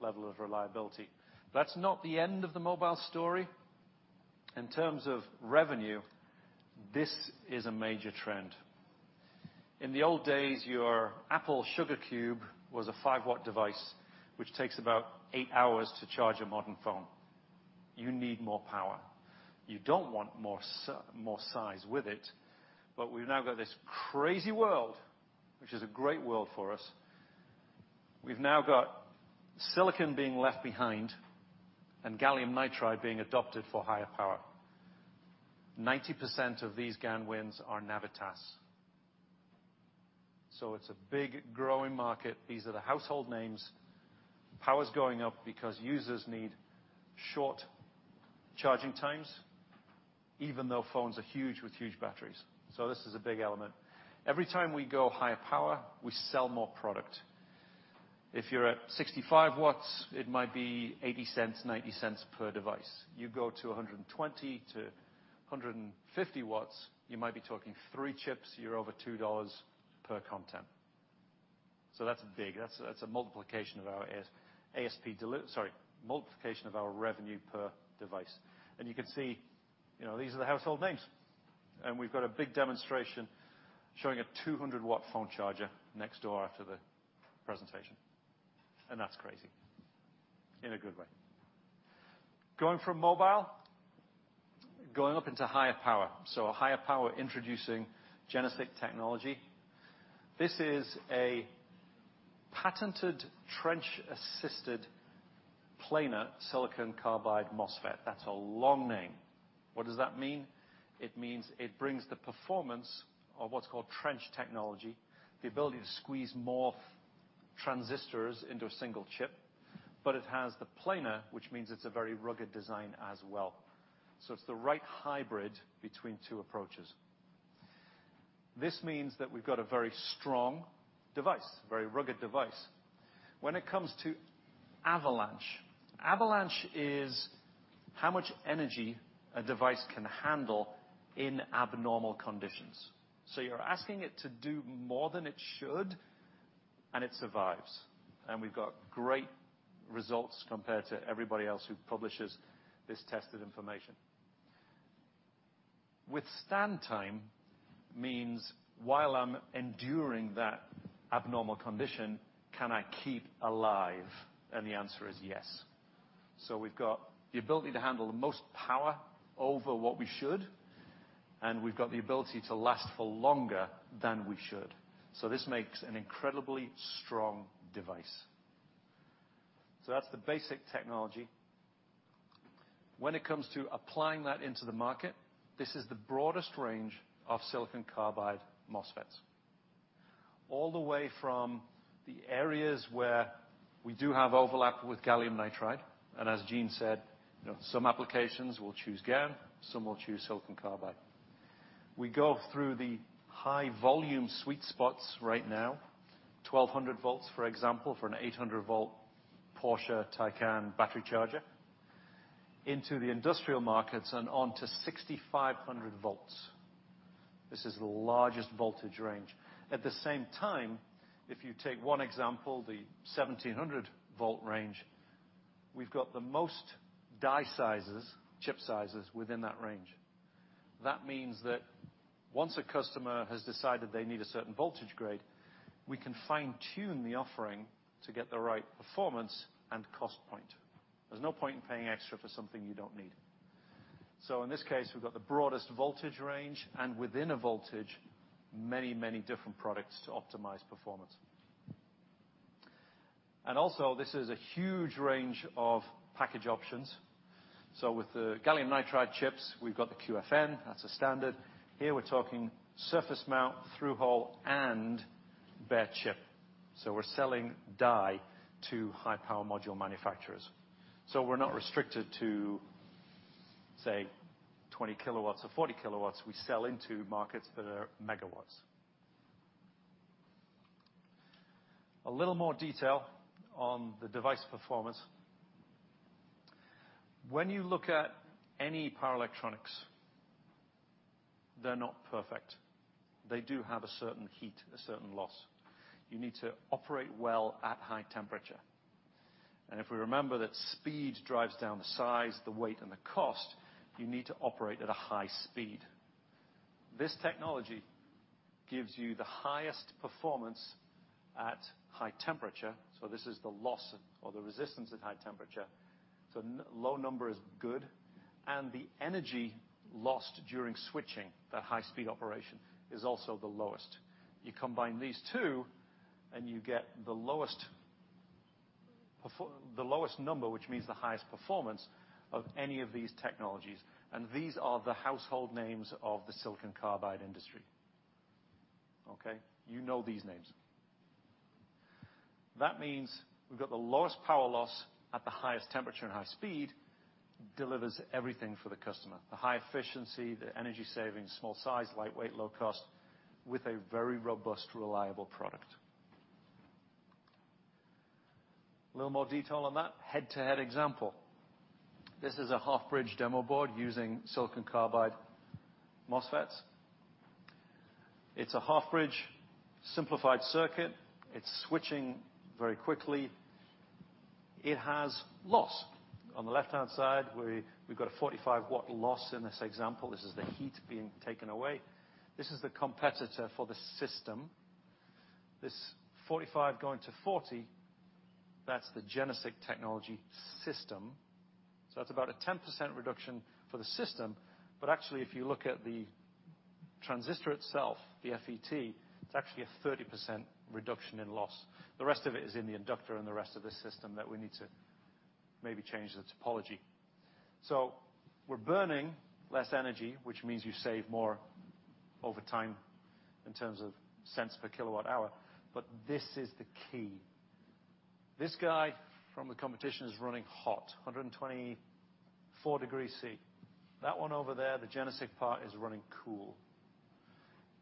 level of reliability. That's not the end of the mobile story. In terms of revenue, this is a major trend. In the old days, your Apple sugar cube was a 5 W device, which takes about eight hours to charge a modern phone. You need more power. You don't want more size with it, but we've now got this crazy world, which is a great world for us, we've now got silicon being left behind and gallium nitride being adopted for higher power. 90% of these GaN wins are Navitas. It's a big growing market. These are the household names. Power's going up because users need short charging times, even though phones are huge with huge batteries. This is a big element. Every time we go higher power, we sell more product. If you're at 65 W, it might be $0.80, $0.90 per device. You go to 120 W-150 W, you might be talking three chips, you're over $2 per unit. That's big. That's a multiplication of our ASP, sorry, multiplication of our revenue per device. You can see, you know, these are the household names. We've got a big demonstration showing a 200 W phone charger next door after the presentation. That's crazy in a good way. Going up into higher power, higher power introducing GeneSiC technology. This is a Patented Trench-Assisted Planar SiC MOSFET. That's a long name. What does that mean? It means it brings the performance of what's called trench technology, the ability to squeeze more transistors into a single chip, but it has the planar, which means it's a very rugged design as well. It's the right hybrid between two approaches. This means that we've got a very strong device, very rugged device. When it comes to avalanche is how much energy a device can handle in abnormal conditions. You're asking it to do more than it should, and it survives. We've got great results compared to everybody else who publishes this tested information. Withstand time means while I'm enduring that abnormal condition, can I keep alive? The answer is yes. We've got the ability to handle the most power over what we should, and we've got the ability to last for longer than we should. This makes an incredibly strong device. That's the basic technology. When it comes to applying that into the market, this is the broadest range of SiC MOSFETs. All the way from the areas where we do have overlap with gallium nitride, and as Gene said, you know, some applications will choose GaN, some will choose silicon carbide. We go through the high volume sweet spots right now, 1,200 V, for example, for an 800-volt Porsche Taycan battery charger, into the industrial markets and on to 6,500 volts. This is the largest voltage range. At the same time, if you take one example, the 1700 V range, we've got the most die sizes, chip sizes within that range. That means that once a customer has decided they need a certain voltage grade, we can fine-tune the offering to get the right performance and cost point. There's no point in paying extra for something you don't need. In this case, we've got the broadest voltage range, and within a voltage, many, many different products to optimize performance. This is a huge range of package options. With the gallium nitride chips, we've got the QFN, that's a standard. Here we're talking surface mount, through-hole, and bare chip. We're selling die to high power module manufacturers. We're not restricted to, say, 20 kW or 40 kW. We sell into markets that are megawatts. A little more detail on the device performance. When you look at any power electronics, they're not perfect. They do have a certain heat, a certain loss. You need to operate well at high temperature. If we remember that speed drives down the size, the weight, and the cost, you need to operate at a high speed. This technology gives you the highest performance at high temperature, so this is the loss or the resistance at high temperature. Low number is good. The energy lost during switching, that high-speed operation, is also the lowest. You combine these two, and you get the lowest number, which means the highest performance of any of these technologies. These are the household names of the silicon carbide industry, okay? You know these names. That means we've got the lowest power loss at the highest temperature and high speed, delivers everything for the customer. The high efficiency, the energy savings, small size, lightweight, low cost, with a very robust, reliable product. A little more detail on that head-to-head example. This is a half bridge demo board using SiC MOSFETs. It's a half bridge simplified circuit. It's switching very quickly. It has loss. On the left-hand side, we've got a 45 W loss in this example. This is the heat being taken away. This is the competitor for the system. This 45 W going to 40 W, that's the GeneSiC technology system. So that's about a 10% reduction for the system. But actually, if you look at the transistor itself, the FET, it's actually a 30% reduction in loss. The rest of it is in the inductor and the rest of the system that we need to maybe change the topology. We're burning less energy, which means you save more over time in terms of cents per kilowatt hour, but this is the key. This guy from the competition is running hot, 124 degrees Celsius. That one over there, the GeneSiC part, is running cool.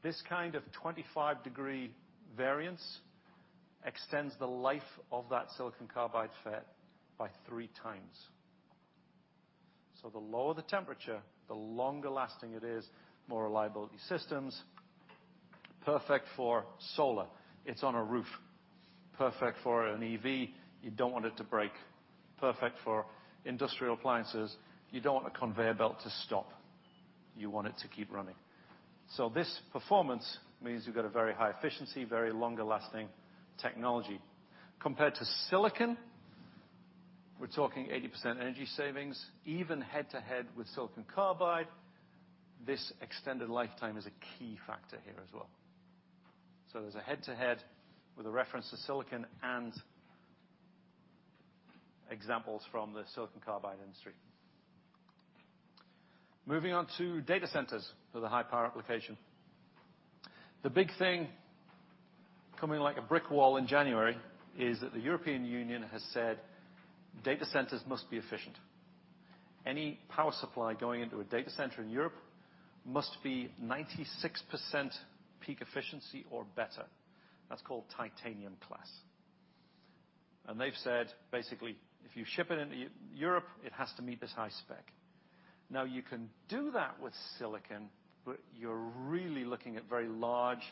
This kind of 25-degree variance extends the life of that silicon carbide FET by 3x. The lower the temperature, the longer lasting it is, more reliability systems. Perfect for solar. It's on a roof. Perfect for an EV. You don't want it to break. Perfect for industrial appliances. You don't want a conveyor belt to stop. You want it to keep running. This performance means you've got a very high efficiency, very longer lasting technology. Compared to silicon. We're talking 80% energy savings, even head-to-head with silicon carbide, this extended lifetime is a key factor here as well. There's a head-to-head with reference to silicon and examples from the silicon carbide industry. Moving on to data centers for the high power application. The big thing coming like a brick wall in January is that the European Union has said data centers must be efficient. Any power supply going into a data center in Europe must be 96% peak efficiency or better. That's called Titanium-class. And they've said, basically, if you ship it into Europe, it has to meet this high spec. Now, you can do that with silicon, but you're really looking at very large,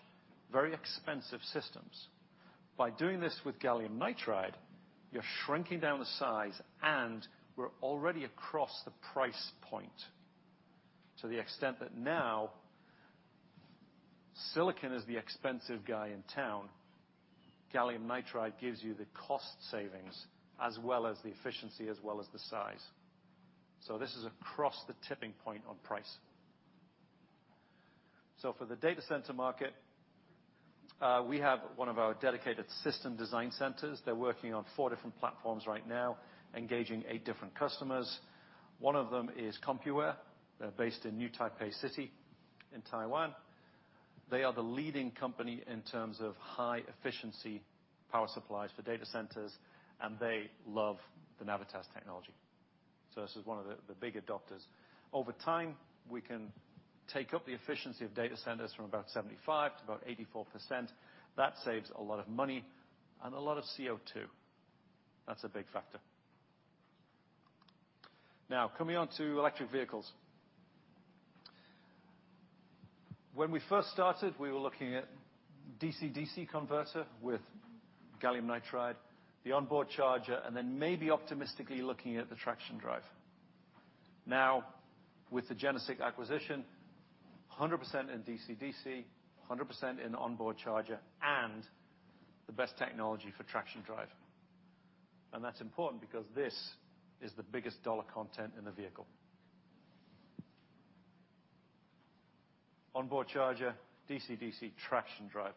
very expensive systems. By doing this with gallium nitride, you're shrinking down the size, and we're already across the price point to the extent that now silicon is the expensive guy in town, gallium nitride gives you the cost savings as well as the efficiency, as well as the size. This is across the tipping point on price. For the data center market, we have one of our dedicated system design centers. They're working on four different platforms right now, engaging eight different customers. One of them is Compuware. They're based in New Taipei City in Taiwan. They are the leading company in terms of high efficiency power supplies for data centers, and they love the Navitas technology. This is one of the big adopters. Over time, we can take up the efficiency of data centers from about 75% to about 84%. That saves a lot of money and a lot of CO₂. That's a big factor. Now, coming on to electric vehicles. When we first started, we were looking at DC-DC converter with gallium nitride, the onboard charger, and then maybe optimistically looking at the traction drive. Now, with the GeneSiC acquisition, 100% in DC-DC, 100% in onboard charger, and the best technology for traction drive. That's important because this is the biggest dollar content in the vehicle. Onboard charger, DC-DC, traction drive,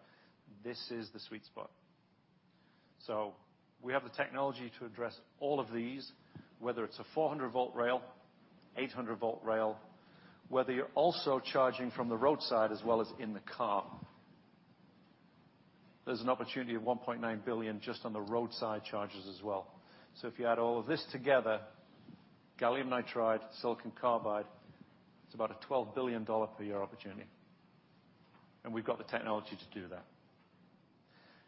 this is the sweet spot. We have the technology to address all of these, whether it's a 400 V rail, 800 V rail, whether you're also charging from the roadside as well as in the car. There's an opportunity of $1.9 billion just on the roadside charges as well. If you add all of this together, gallium nitride, silicon carbide, it's about a $12 billion per year opportunity. We've got the technology to do that.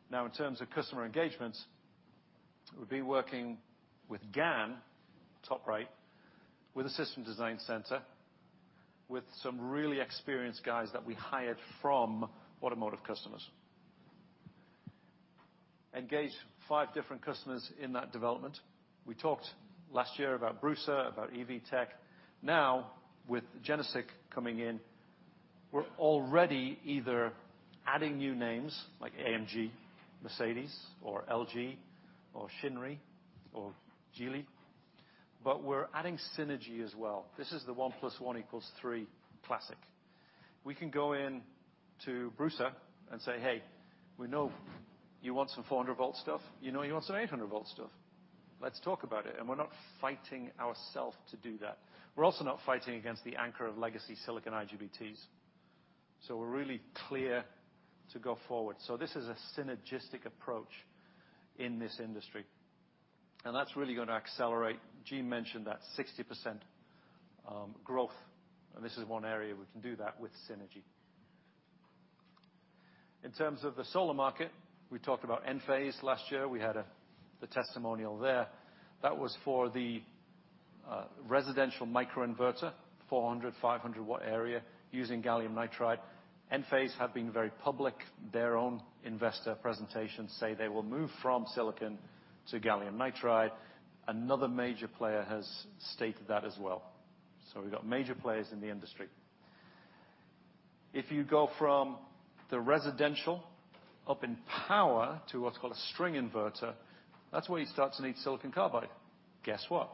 Now, in terms of customer engagements, we'll be working with GaN, top right, with a system design center, with some really experienced guys that we hired from automotive customers. Engaged five different customers in that development. We talked last year about BRUSA, about EV Tech. Now, with GeneSiC coming in, we're already either adding new names like AMG, Mercedes, or LG, or Shinry, or Geely, but we're adding synergy as well. This is the one plus one equals three classic. We can go in to BRUSA and say, "Hey, we know you want some 400 V stuff. You know you want some 800 V stuff. Let's talk about it." We're not fighting ourselves to do that. We're also not fighting against the anchor of legacy silicon IGBTs. We're really clear to go forward. This is a synergistic approach in this industry. That's really gonna accelerate. Gene mentioned that 60% growth, and this is one area we can do that with synergy. In terms of the solar market, we talked about Enphase last year. We had the testimonial there. That was for the residential microinverter, 400 W-500 W area using gallium nitride. Enphase have been very public. Their own investor presentations say they will move from silicon to gallium nitride. Another major player has stated that as well. We've got major players in the industry. If you go from the residential up in power to what's called a string inverter, that's where you start to need silicon carbide. Guess what?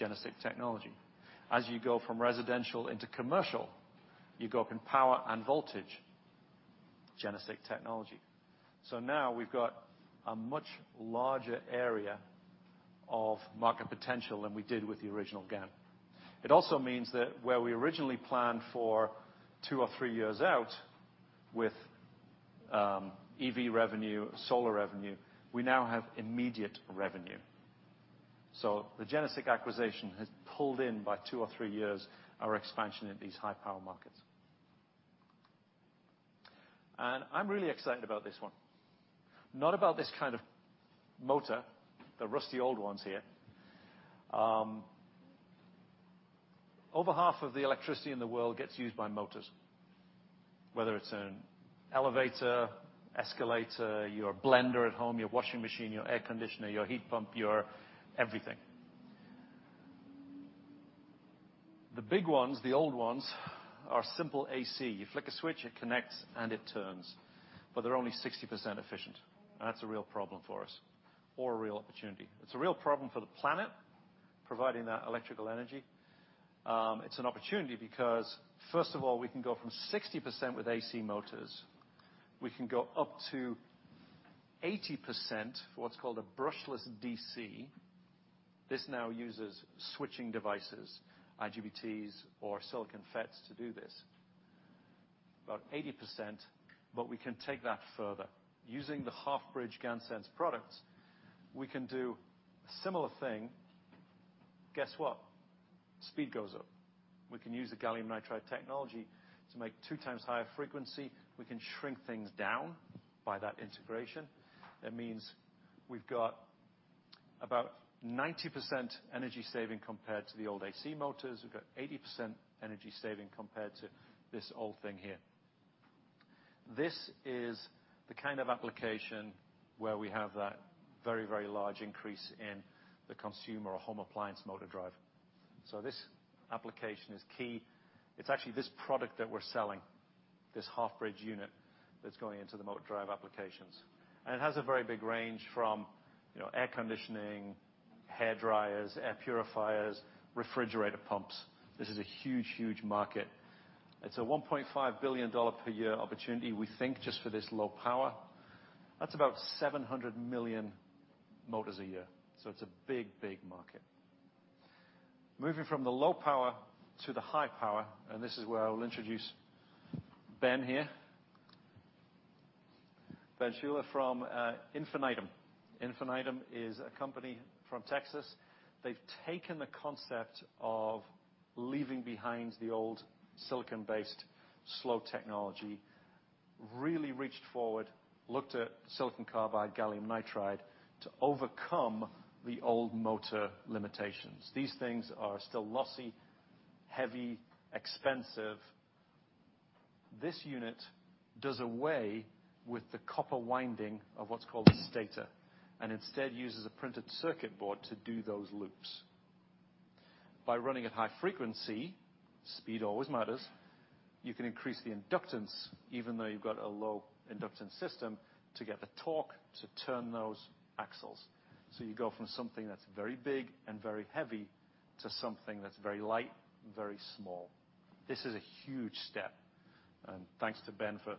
GeneSiC technology. As you go from residential into commercial, you go up in power and voltage, GeneSiC technology. Now we've got a much larger area of market potential than we did with the original GaN. It also means that where we originally planned for two or three years out with EV revenue, solar revenue, we now have immediate revenue. The GeneSiC acquisition has pulled in by two or three years our expansion in these high power markets. I'm really excited about this one. Not about this kind of motor, the rusty old ones here. Over half of the electricity in the world gets used by motors, whether it's an elevator, escalator, your blender at home, your washing machine, your air conditioner, your heat pump, your everything. The big ones, the old ones, are simple AC. You flick a switch, it connects, and it turns. They're only 60% efficient, and that's a real problem for us or a real opportunity. It's a real problem for the planet, providing that electrical energy. It's an opportunity because first of all, we can go from 60% with AC motors. We can go up to 80% for what's called a brushless DC. This now uses switching devices, IGBTs or silicon FETs to do this. About 80%, but we can take that further. Using the half-bridge GaNSense products, we can do a similar thing. Guess what? Speed goes up. We can use the gallium nitride technology to make 2x higher frequency. We can shrink things down by that integration. That means we've got about 90% energy saving compared to the old AC motors. We've got 80% energy saving compared to this old thing here. This is the kind of application where we have that very, very large increase in the consumer or home appliance motor drive. This application is key. It's actually this product that we're selling, this half bridge unit that's going into the motor drive applications. And it has a very big range from, you know, air conditioning, hair dryers, air purifiers, refrigerator pumps. This is a huge, huge market. It's a $1.5 billion per year opportunity, we think, just for this low power. That's about 700 million motors a year. It's a big, big market. Moving from the low power to the high power, and this is where I will introduce Ben here. Ben Schuler from Infinitum Electric. Infinitum Electric is a company from Texas. They've taken the concept of leaving behind the old silicon-based slow technology, really reached forward, looked at silicon carbide, gallium nitride to overcome the old motor limitations. These things are still lossy, heavy, expensive. This unit does away with the copper winding of what's called a stator, and instead uses a printed circuit board to do those loops. By running at high frequency, speed always matters, you can increase the inductance, even though you've got a low inductance system, to get the torque to turn those axles. So you go from something that's very big and very heavy to something that's very light and very small. This is a huge step. Thanks to Ben for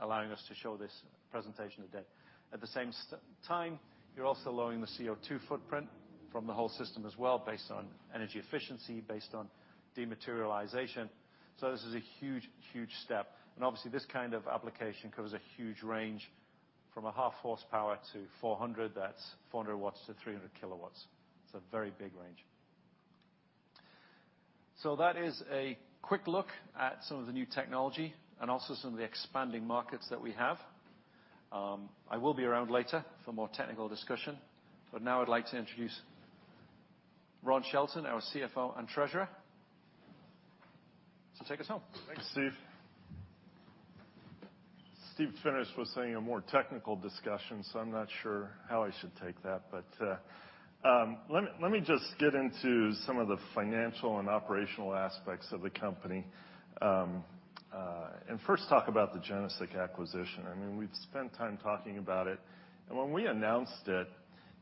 allowing us to show this presentation today. At the same time, you're also lowering the CO₂ footprint from the whole system as well, based on energy efficiency, based on dematerialization. This is a huge step. Obviously, this kind of application covers a huge range from a half horsepower to 400W. That's 400 W to 300 W. It's a very big range. That is a quick look at some of the new technology and also some of the expanding markets that we have. I will be around later for more technical discussion, but now I'd like to introduce Ron Shelton, our CFO and treasurer, to take us home. Thanks, Steve. Steve finished with saying a more technical discussion, so I'm not sure how I should take that. Let me just get into some of the financial and operational aspects of the company, and first talk about the GeneSiC acquisition. I mean, we've spent time talking about it. When we announced it,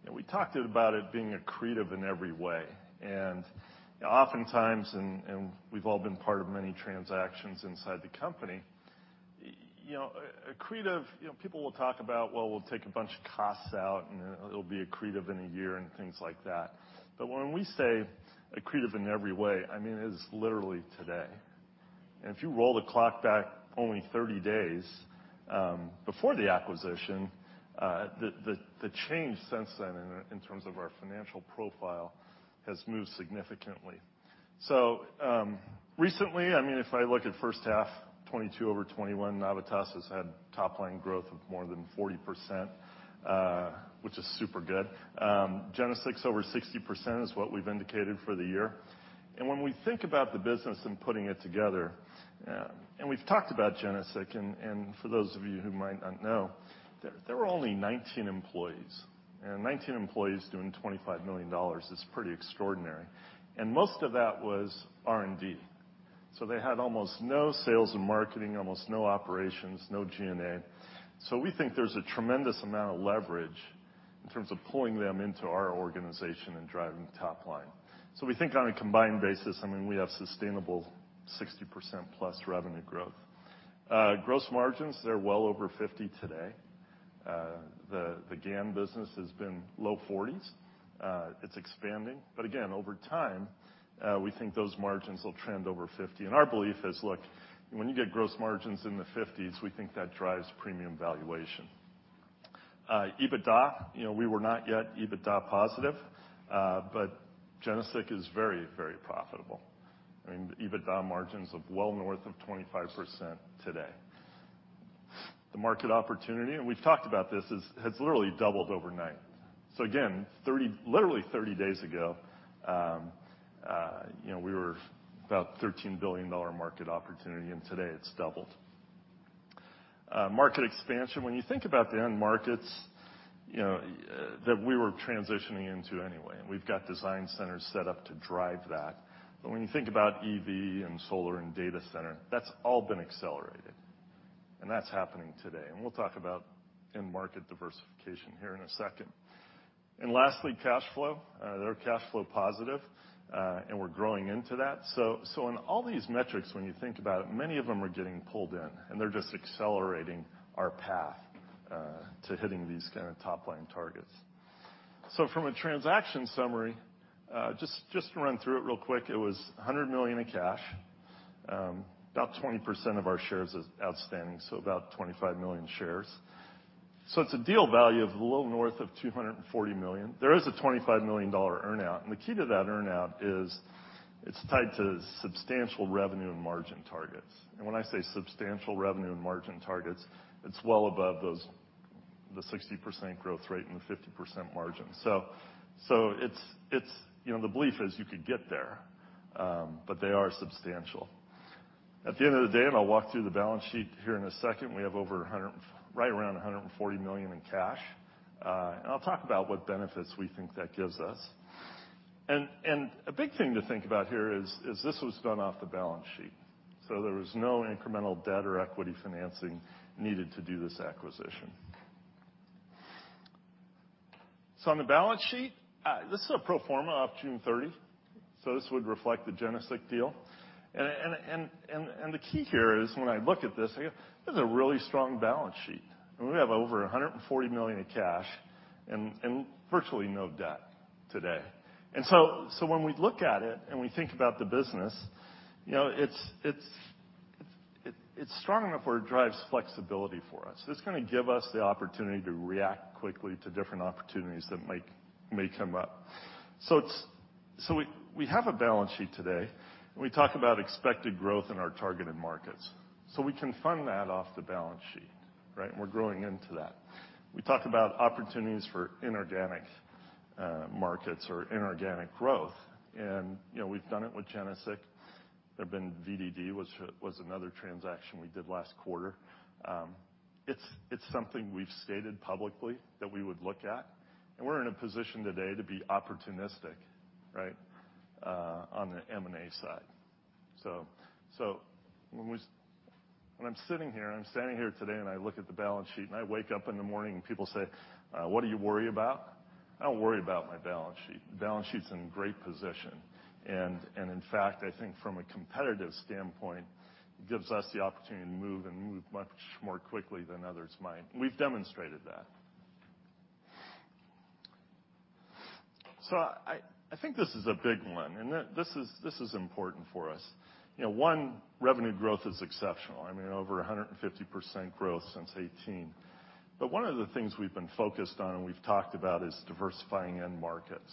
you know, we talked about it being accretive in every way. Oftentimes, we've all been part of many transactions inside the company, you know, accretive, you know, people will talk about, well, we'll take a bunch of costs out, and it'll be accretive in a year and things like that. When we say accretive in every way, I mean, it is literally today. If you roll the clock back only 30 days before the acquisition, the change since then in terms of our financial profile has moved significantly. Recently, I mean, if I look at first half, 2022 over 2021, Navitas has had top line growth of more than 40%, which is super good. GeneSiC's over 60% is what we've indicated for the year. When we think about the business and putting it together, we've talked about GeneSiC, and for those of you who might not know, there were only 19 employees. 19 employees doing $25 million is pretty extraordinary. Most of that was R&D. They had almost no sales and marketing, almost no operations, no G&A. We think there's a tremendous amount of leverage in terms of pulling them into our organization and driving top line. We think on a combined basis, I mean, we have sustainable 60%+ revenue growth. Gross margins, they're well over 50 today. The GaN business has been low 40s. It's expanding. But again, over time, we think those margins will trend over 50. Our belief is, look, when you get gross margins in the 50s, we think that drives premium valuation. EBITDA, you know, we were not yet EBITDA positive, but GeneSiC is very, very profitable. I mean, EBITDA margins of well north of 25% today. The market opportunity, and we've talked about this, has literally doubled overnight. Again, 30, literally 30 days ago, you know, we were about $13 billion market opportunity, and today it's doubled. Market expansion. When you think about the end markets, you know, that we were transitioning into anyway, and we've got design centers set up to drive that. When you think about EV and solar and data center, that's all been accelerated. That's happening today. We'll talk about end market diversification here in a second. Lastly, cash flow. They're cash flow positive, and we're growing into that. In all these metrics, when you think about it, many of them are getting pulled in, and they're just accelerating our path to hitting these kinda top-line targets. From a transaction summary, just to run through it real quick. It was $100 million in cash, about 20% of our shares is outstanding, so about 25 million shares. It's a deal value of a little north of $240 million. There is a $25 million earnout, and the key to that earnout is it's tied to substantial revenue and margin targets. When I say substantial revenue and margin targets, it's well above those, the 60% growth rate and the 50% margin. It's you know the belief is you could get there, but they are substantial. At the end of the day, I'll walk through the balance sheet here in a second, we have over $100 million right around $140 million in cash. I'll talk about what benefits we think that gives us. A big thing to think about here is this was done off the balance sheet, so there was no incremental debt or equity financing needed to do this acquisition. On the balance sheet, this is a pro forma of June 30, so this would reflect the GeneSiC deal. The key here is when I look at this is a really strong balance sheet. We have over $140 million in cash and virtually no debt today. When we look at it, and we think about the business, you know, it's strong enough where it drives flexibility for us. This is gonna give us the opportunity to react quickly to different opportunities that may come up. It's... We have a balance sheet today, and we talk about expected growth in our targeted markets. We can fund that off the balance sheet, right? We're growing into that. We talk about opportunities for inorganic M&A or inorganic growth. You know, we've done it with GeneSiC. There have been VDD, which was another transaction we did last quarter. It's something we've stated publicly that we would look at, and we're in a position today to be opportunistic, right, on the M&A side. When I'm standing here today, and I look at the balance sheet and I wake up in the morning and people say, "What do you worry about?" I don't worry about my balance sheet. Balance sheet's in great position. In fact, I think from a competitive standpoint, it gives us the opportunity to move much more quickly than others might. We've demonstrated that. I think this is a big one, and this is important for us. You know, revenue growth is exceptional. I mean, over 150% growth since 2018. One of the things we've been focused on and we've talked about is diversifying end markets.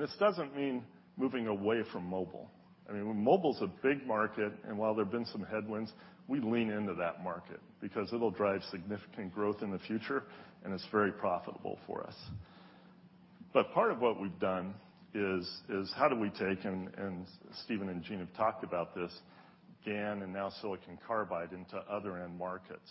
This doesn't mean moving away from mobile. I mean, mobile's a big market, and while there have been some headwinds, we lean into that market because it'll drive significant growth in the future, and it's very profitable for us. Part of what we've done is how do we take, and Stephen and Gene have talked about this, GaN and now silicon carbide into other end markets?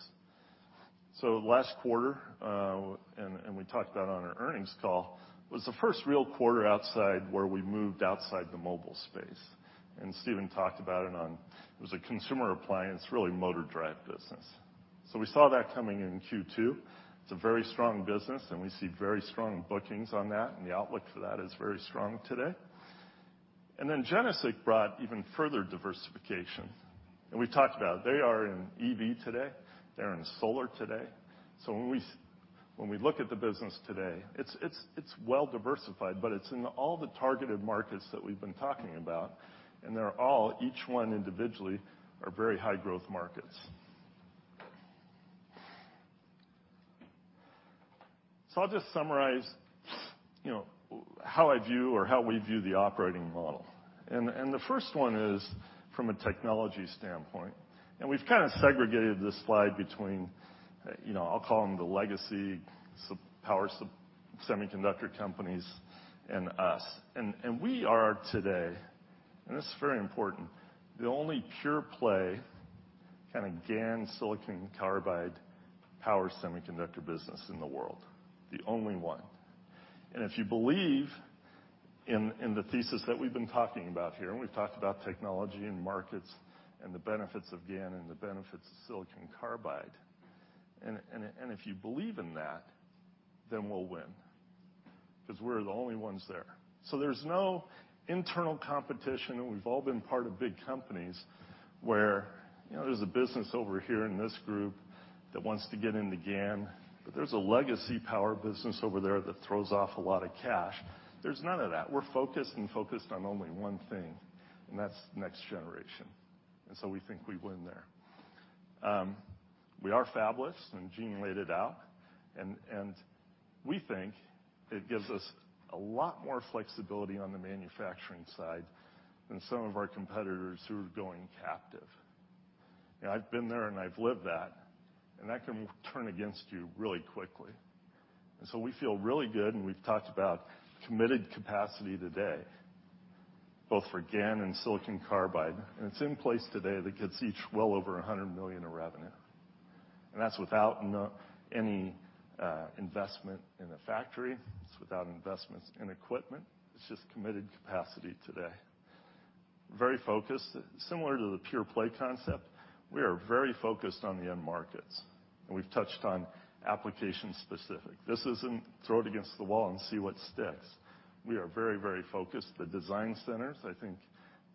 Last quarter we talked about on our earnings call was the first real quarter outside where we moved outside the mobile space. Stephen talked about it. It was a consumer appliance, really motor drive business. We saw that coming in Q2. It's a very strong business, and we see very strong bookings on that, and the outlook for that is very strong today. Then GeneSiC brought even further diversification. We've talked about it. They are in EV today. They're in solar today. When we look at the business today, it's well-diversified, but it's in all the targeted markets that we've been talking about, and they're all, each one individually, are very high growth markets. I'll just summarize, you know, how I view or how we view the operating model. The first one is from a technology standpoint, and we've kinda segregated this slide between, you know, I'll call them the legacy power semiconductor companies and us. We are today, and this is very important, the only pure play kinda GaN silicon carbide power semiconductor business in the world. The only one. If you believe in the thesis that we've been talking about here, and we've talked about technology and markets and the benefits of GaN and the benefits of silicon carbide. If you believe in that, then we'll win, 'cause we're the only ones there. So there's no internal competition. We've all been part of big companies, where, you know, there's a business over here in this group that wants to get into GaN, but there's a legacy power business over there that throws off a lot of cash. There's none of that. We're focused on only one thing, and that's next generation. We think we win there. We are fabless, and Gene laid it out, and we think it gives us a lot more flexibility on the manufacturing side than some of our competitors who are going captive. You know, I've been there, and I've lived that, and that can turn against you really quickly. We feel really good, and we've talked about committed capacity today. Both for GaN and silicon carbide, and it's in place today that gets each well over $100 million of revenue. That's without any investment in the factory. It's without investments in equipment. It's just committed capacity today. Very focused. Similar to the pure play concept, we are very focused on the end markets, and we've touched on application specific. This isn't throw it against the wall and see what sticks. We are very, very focused. The design centers, I think,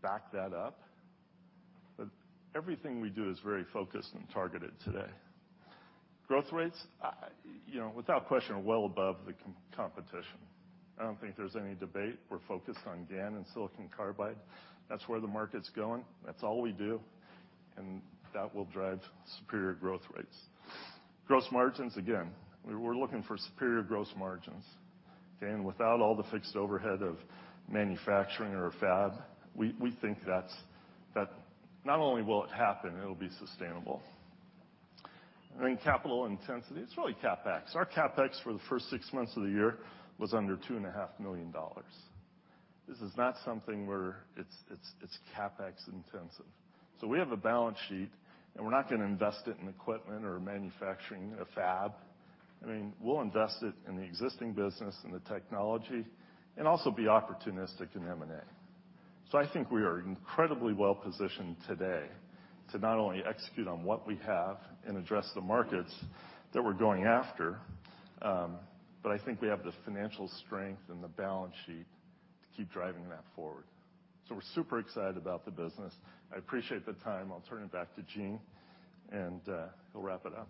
back that up. Everything we do is very focused and targeted today. Growth rates, you know, without question, well above the competition. I don't think there's any debate. We're focused on GaN and silicon carbide. That's where the market's going. That's all we do, and that will drive superior growth rates. Gross margins, again, we're looking for superior gross margins, okay. Without all the fixed overhead of manufacturing or a fab, we think that not only will it happen, it'll be sustainable. Capital intensity, it's really CapEx. Our CapEx for the first six months of the year was under $2.5 million. This is not something where it's CapEx intensive. We have a balance sheet, and we're not gonna invest it in equipment or manufacturing in a fab. I mean, we'll invest it in the existing business and the technology and also be opportunistic in M&A. I think we are incredibly well positioned today to not only execute on what we have and address the markets that we're going after, but I think we have the financial strength and the balance sheet to keep driving that forward. We're super excited about the business. I appreciate the time. I'll turn it back to Gene, and he'll wrap it up.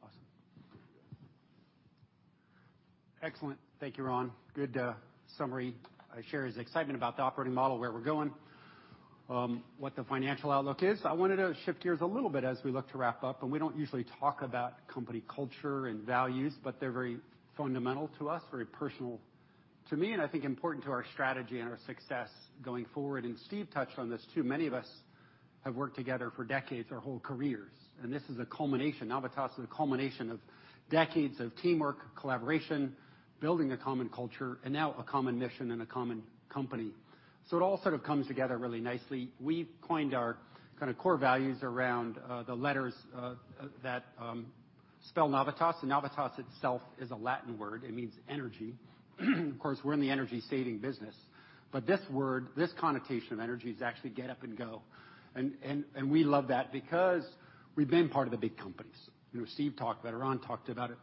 Awesome. Excellent. Thank you, Ron. Good summary. I share his excitement about the operating model, where we're going, what the financial outlook is. I wanted to shift gears a little bit as we look to wrap up, and we don't usually talk about company culture and values, but they're very fundamental to us, very personal to me, and I think important to our strategy and our success going forward. Steve touched on this too. Many of us have worked together for decades, our whole careers, and this is a culmination. Navitas is a culmination of decades of teamwork, collaboration, building a common culture, and now a common mission and a common company. It all sort of comes together really nicely. We've coined our kinda core values around the letters that spell Navitas, and Navitas itself is a Latin word. It means energy. Of course, we're in the energy saving business, but this word, this connotation of energy is actually get up and go. We love that because we've been part of the big companies. You know, Steve talked about it, Ron talked about it.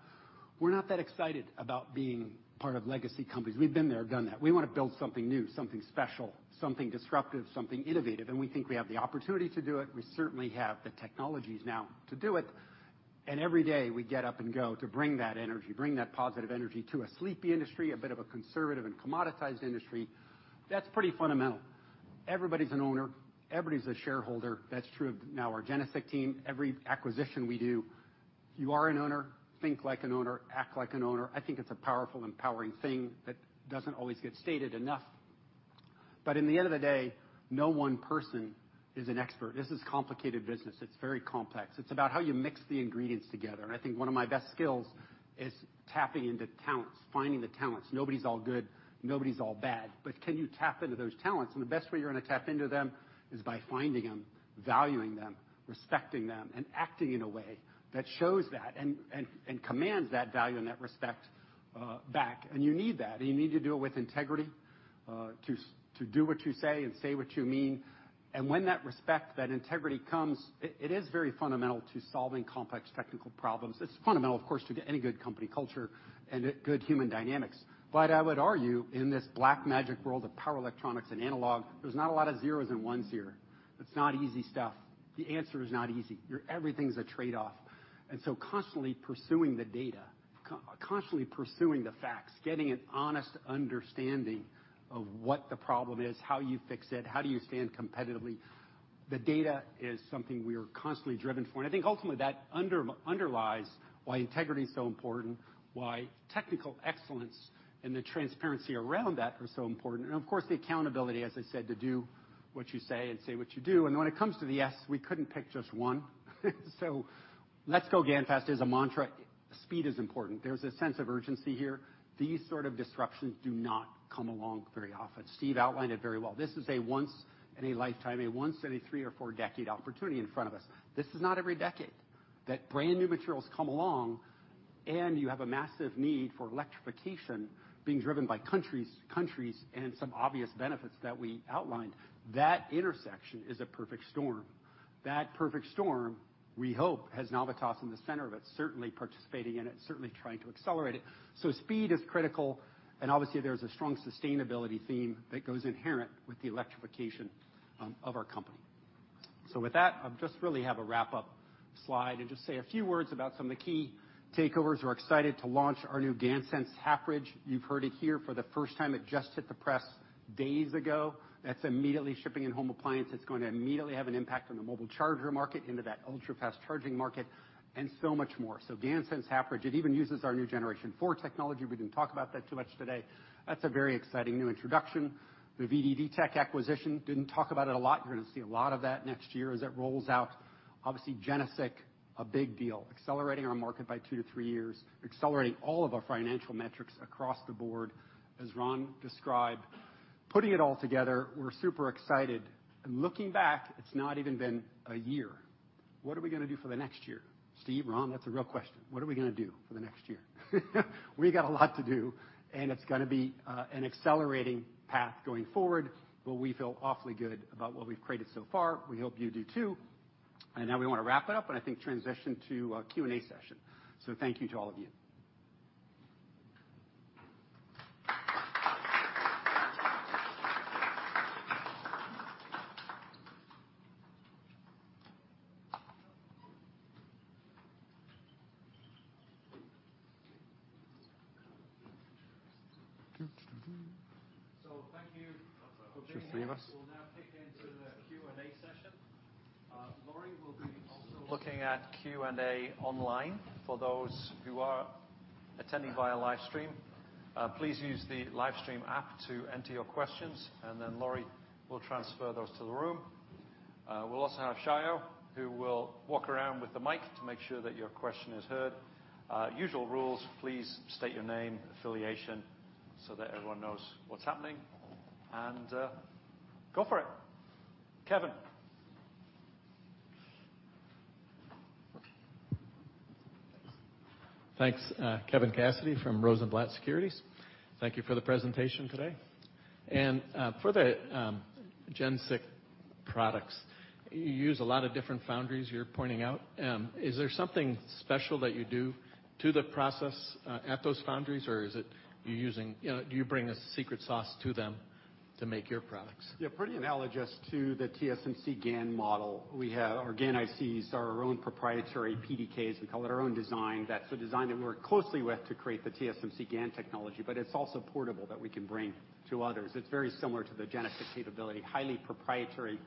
We're not that excited about being part of legacy companies. We've been there, done that. We wanna build something new, something special, something disruptive, something innovative, and we think we have the opportunity to do it. We certainly have the technologies now to do it, and every day we get up and go to bring that energy, bring that positive energy to a sleepy industry, a bit of a conservative and commoditized industry. That's pretty fundamental. Everybody's an owner. Everybody's a shareholder. That's true of now our GeneSiC team. Every acquisition we do, you are an owner, think like an owner, act like an owner. I think it's a powerful, empowering thing that doesn't always get stated enough. In the end of the day, no one person is an expert. This is complicated business. It's very complex. It's about how you mix the ingredients together, and I think one of my best skills is tapping into talents, finding the talents. Nobody's all good. Nobody's all bad. Can you tap into those talents? The best way you're gonna tap into them is by finding them, valuing them, respecting them, and acting in a way that shows that and commands that value and that respect back. You need that, and you need to do it with integrity to do what you say and say what you mean. When that respect, that integrity comes, it is very fundamental to solving complex technical problems. It's fundamental, of course, to any good company culture and good human dynamics. I would argue in this black magic world of power electronics and analog, there's not a lot of zeros and ones here. It's not easy stuff. The answer is not easy. Everything's a trade-off. Constantly pursuing the data, constantly pursuing the facts, getting an honest understanding of what the problem is, how you fix it, how do you stand competitively, the data is something we are constantly driven for. I think ultimately that underlies why integrity is so important, why technical excellence and the transparency around that are so important, and of course, the accountability, as I said, to do what you say and say what you do. When it comes to the S, we couldn't pick just one. Let's go. GaNFast is a mantra. Speed is important. There's a sense of urgency here. These sort of disruptions do not come along very often. Steve outlined it very well. This is a once in a lifetime, a once in a three or four decade opportunity in front of us. This is not every decade that brand new materials come along, and you have a massive need for electrification being driven by countries, and some obvious benefits that we outlined. That intersection is a perfect storm. That perfect storm, we hope, has Navitas in the center of it, certainly participating in it, certainly trying to accelerate it. Speed is critical, and obviously, there's a strong sustainability theme that goes inherent with the electrification of our company. With that, I'll just really have a wrap-up slide and just say a few words about some of the key takeaways. We're excited to launch our new GaNSense half-bridge. You've heard it here for the first time. It just hit the press days ago. That's immediately shipping in home appliance. That's going to immediately have an impact on the mobile charger market into that ultra-fast charging market and so much more. GaNSense half-bridge, it even uses our new generation four technology. We didn't talk about that too much today. That's a very exciting new introduction. The VDD Tech acquisition, didn't talk about it a lot. You're gonna see a lot of that next year as it rolls out. Obviously, GeneSiC, a big deal, accelerating our market by 2-3 years, accelerating all of our financial metrics across the board, as Ron described. Putting it all together, we're super excited. Looking back, it's not even been a year. What are we gonna do for the next year? Steve, Ron, that's a real question. What are we gonna do for the next year? We got a lot to do, and it's gonna be an accelerating path going forward, but we feel awfully good about what we've created so far. We hope you do too. Now we wanna wrap it up, and I think transition to a Q&A session. Thank you to all of you. Thank you for being here. Should we stay, guys? We'll now kick into the Q&A session. Laurie will be also looking at Q&A online. For those who are attending via live stream, please use the live stream app to enter your questions, and then Laurie will transfer those to the room. We'll also have Shayo, who will walk around with the mic to make sure that your question is heard. Usual rules, please state your name, affiliation so that everyone knows what's happening. Go for it. Kevin. Thanks. Kevin Cassidy from Rosenblatt Securities. Thank you for the presentation today. For the GeneSiC products, you use a lot of different foundries you're pointing out. Is there something special that you do to the process at those foundries, or is it you're using? You know, do you bring a secret sauce to them to make your products? Yeah, pretty analogous to the TSMC GaN model we have. Our GaN ICs are our own proprietary PDKs. We call it our own design. That's a design that we work closely with to create the TSMC GaN technology, but it's also portable that we can bring to others. It's very similar to the GeneSiC capability. Highly proprietary,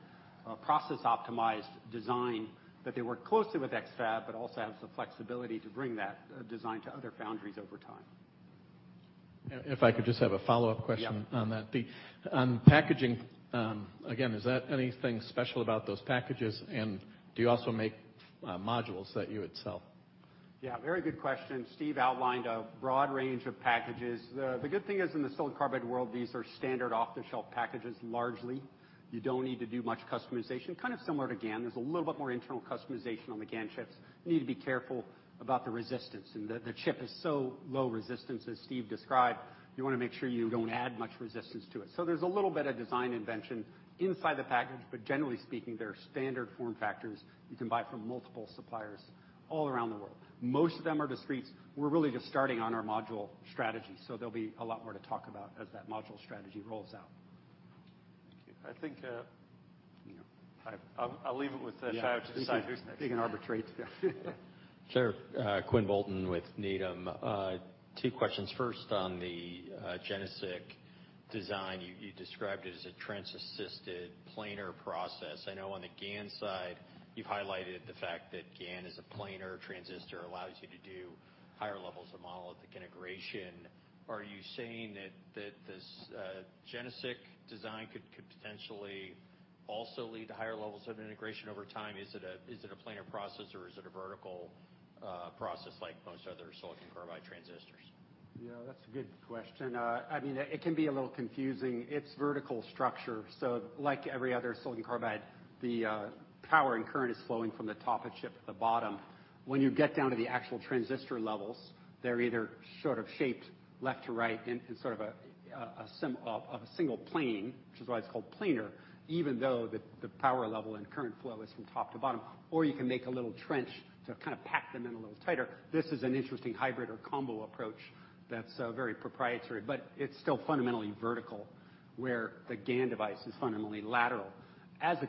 process-optimized design that they work closely with X-FAB, but also has the flexibility to bring that, design to other foundries over time. If I could just have a follow-up question? Yeah. On that. The packaging, again, is that anything special about those packages, and do you also make modules that you would sell? Yeah, very good question. Steve outlined a broad range of packages. The good thing is, in the silicon carbide world, these are standard off-the-shelf packages largely. You don't need to do much customization, kind of similar to GaN. There's a little bit more internal customization on the GaN chips. You need to be careful about the resistance, and the chip is so low resistance as Steve described, you wanna make sure you don't add much resistance to it. There's a little bit of design invention inside the package, but generally speaking, there are standard form factors you can buy from multiple suppliers all around the world. Most of them are discretes. We're really just starting on our module strategy, so there'll be a lot more to talk about as that module strategy rolls out. Thank you. I think, You know. I'll leave it with Shayo to decide who's next. Yeah. He can arbitrate. Yeah. Sure. Quinn Bolton with Needham & Company. Two questions. First, on the GeneSiC design, you described it as a trench-assisted planar process. I know on the GaN side, you've highlighted the fact that GaN is a planar transistor, allows you to do higher levels of monolithic integration. Are you saying that this GeneSiC design could potentially also lead to higher levels of integration over time? Is it a planar process, or is it a vertical process like most other silicon carbide transistors? Yeah, that's a good question. I mean, it can be a little confusing. It's vertical structure. So like every other silicon carbide, the power and current is flowing from the top of the chip to the bottom. When you get down to the actual transistor levels, they're either sort of shaped left to right in sort of a single plane, which is why it's called planar, even though the power level and current flow is from top to bottom. Or you can make a little trench to kind of pack them in a little tighter. This is an interesting hybrid or combo approach that's very proprietary, but it's still fundamentally vertical, where the GaN device is fundamentally lateral. As a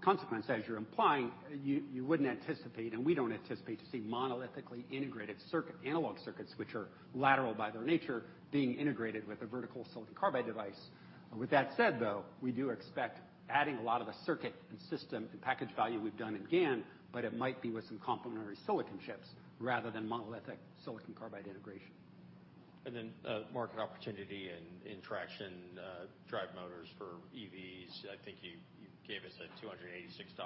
consequence, as you're implying, you wouldn't anticipate, and we don't anticipate to see monolithically integrated circuit, analog circuits, which are lateral by their nature, being integrated with a vertical silicon carbide device. With that said, though, we do expect adding a lot of the circuit and system and package value we've done in GaN, but it might be with some complementary silicon chips rather than monolithic silicon carbide integration. Market opportunity and traction, drive motors for EVs. I think you gave us a $286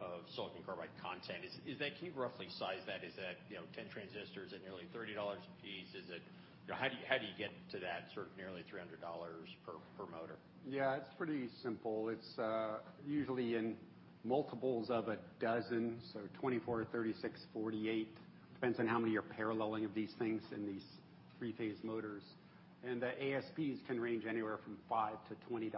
of silicon carbide content. Can you roughly size that? Is that, you know, 10 transistors at nearly $30 a piece? You know, how do you get to that sort of nearly $300 per motor? Yeah. It's pretty simple. It's usually in multiples of a dozen, so 24, 36, 48. Depends on how many you're paralleling of these things in these three-phase motors. The ASPs can range anywhere from $5 to $20.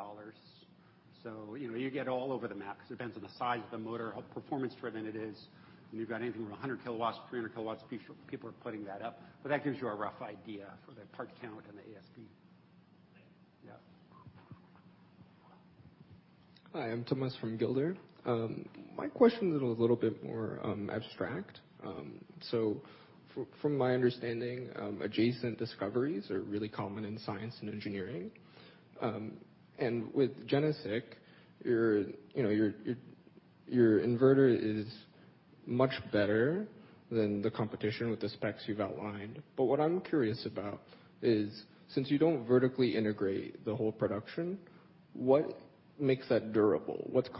You know, you get all over the map 'cause it depends on the size of the motor, how performance driven it is. You've got anything from 100 kW to 300 kW, people are putting that up. That gives you a rough idea for the part count and the ASP. Thank you. Yeah. Hi, I'm Tumas Rackaitis from Gilder. My question is a little bit more abstract. From my understanding, adjacent discoveries are really common in science and engineering. With GeneSiC, your, you know, your inverter is much better than the competition with the specs you've outlined. What I'm curious about is, since you don't vertically integrate the whole production, what makes that durable? What's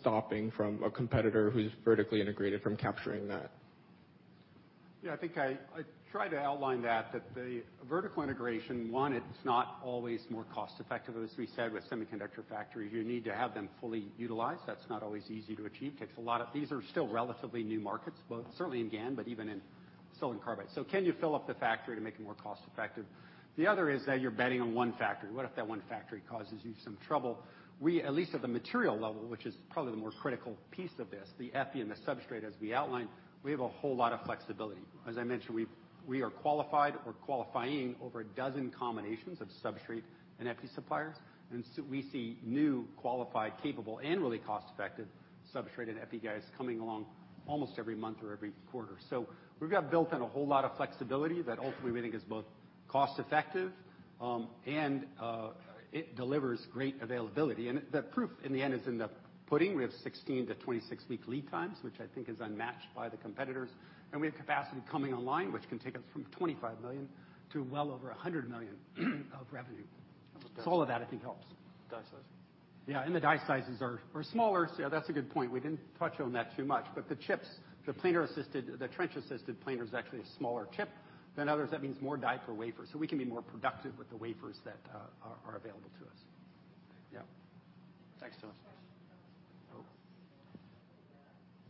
stopping a competitor who's vertically integrated from capturing that? Yeah, I think I tried to outline that the vertical integration, one, it's not always more cost effective. As we said, with semiconductor factories, you need to have them fully utilized. That's not always easy to achieve. These are still relatively new markets, both certainly in GaN, but even in silicon carbide. So can you fill up the factory to make it more cost effective? The other is that you're betting on one factory. What if that one factory causes you some trouble? We at least at the material level, which is probably the more critical piece of this, the epi and the substrate, as we outlined, we have a whole lot of flexibility. As I mentioned, we are qualified or qualifying over a dozen combinations of substrate and epi suppliers, and we see new qualified, capable, and really cost-effective substrate and epi guys coming along almost every month or every quarter. We've got built-in a whole lot of flexibility that ultimately we think is both cost-effective and it delivers great availability. The proof in the end is in the pudding. We have 16- to 26-week lead times, which I think is unmatched by the competitors. We have capacity coming online, which can take us from $25 million to well over $100 million of revenue. All of that, I think, helps. Die sizes. Yeah, the die sizes are smaller. Yeah, that's a good point. We didn't touch on that too much. The chips, the planar-assisted, the trench-assisted planar is actually a smaller chip than others. That means more die per wafer, so we can be more productive with the wafers that are available to us. Yeah. Thanks so much guys. Oh. With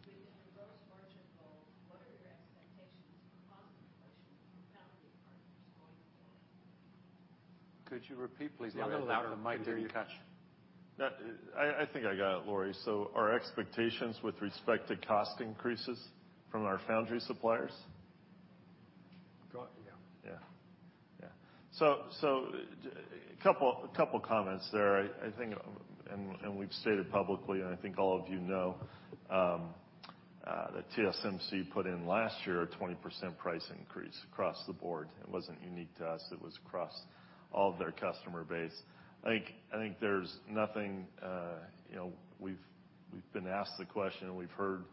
the gross margin goal, what are your expectations for cost inflation with foundry partners going forward? Could you repeat please on the louder mic there? Yeah, the louder. Could you- I think I got it, Laurie. Our expectations with respect to cost increases from our foundry suppliers. Go on. Yeah. Couple comments there. I think we've stated publicly, and I think all of you know, that TSMC put in last year a 20% price increase across the board. It wasn't unique to us. It was across all of their customer base. I think there's nothing, you know. We've been asked the question, and we've heard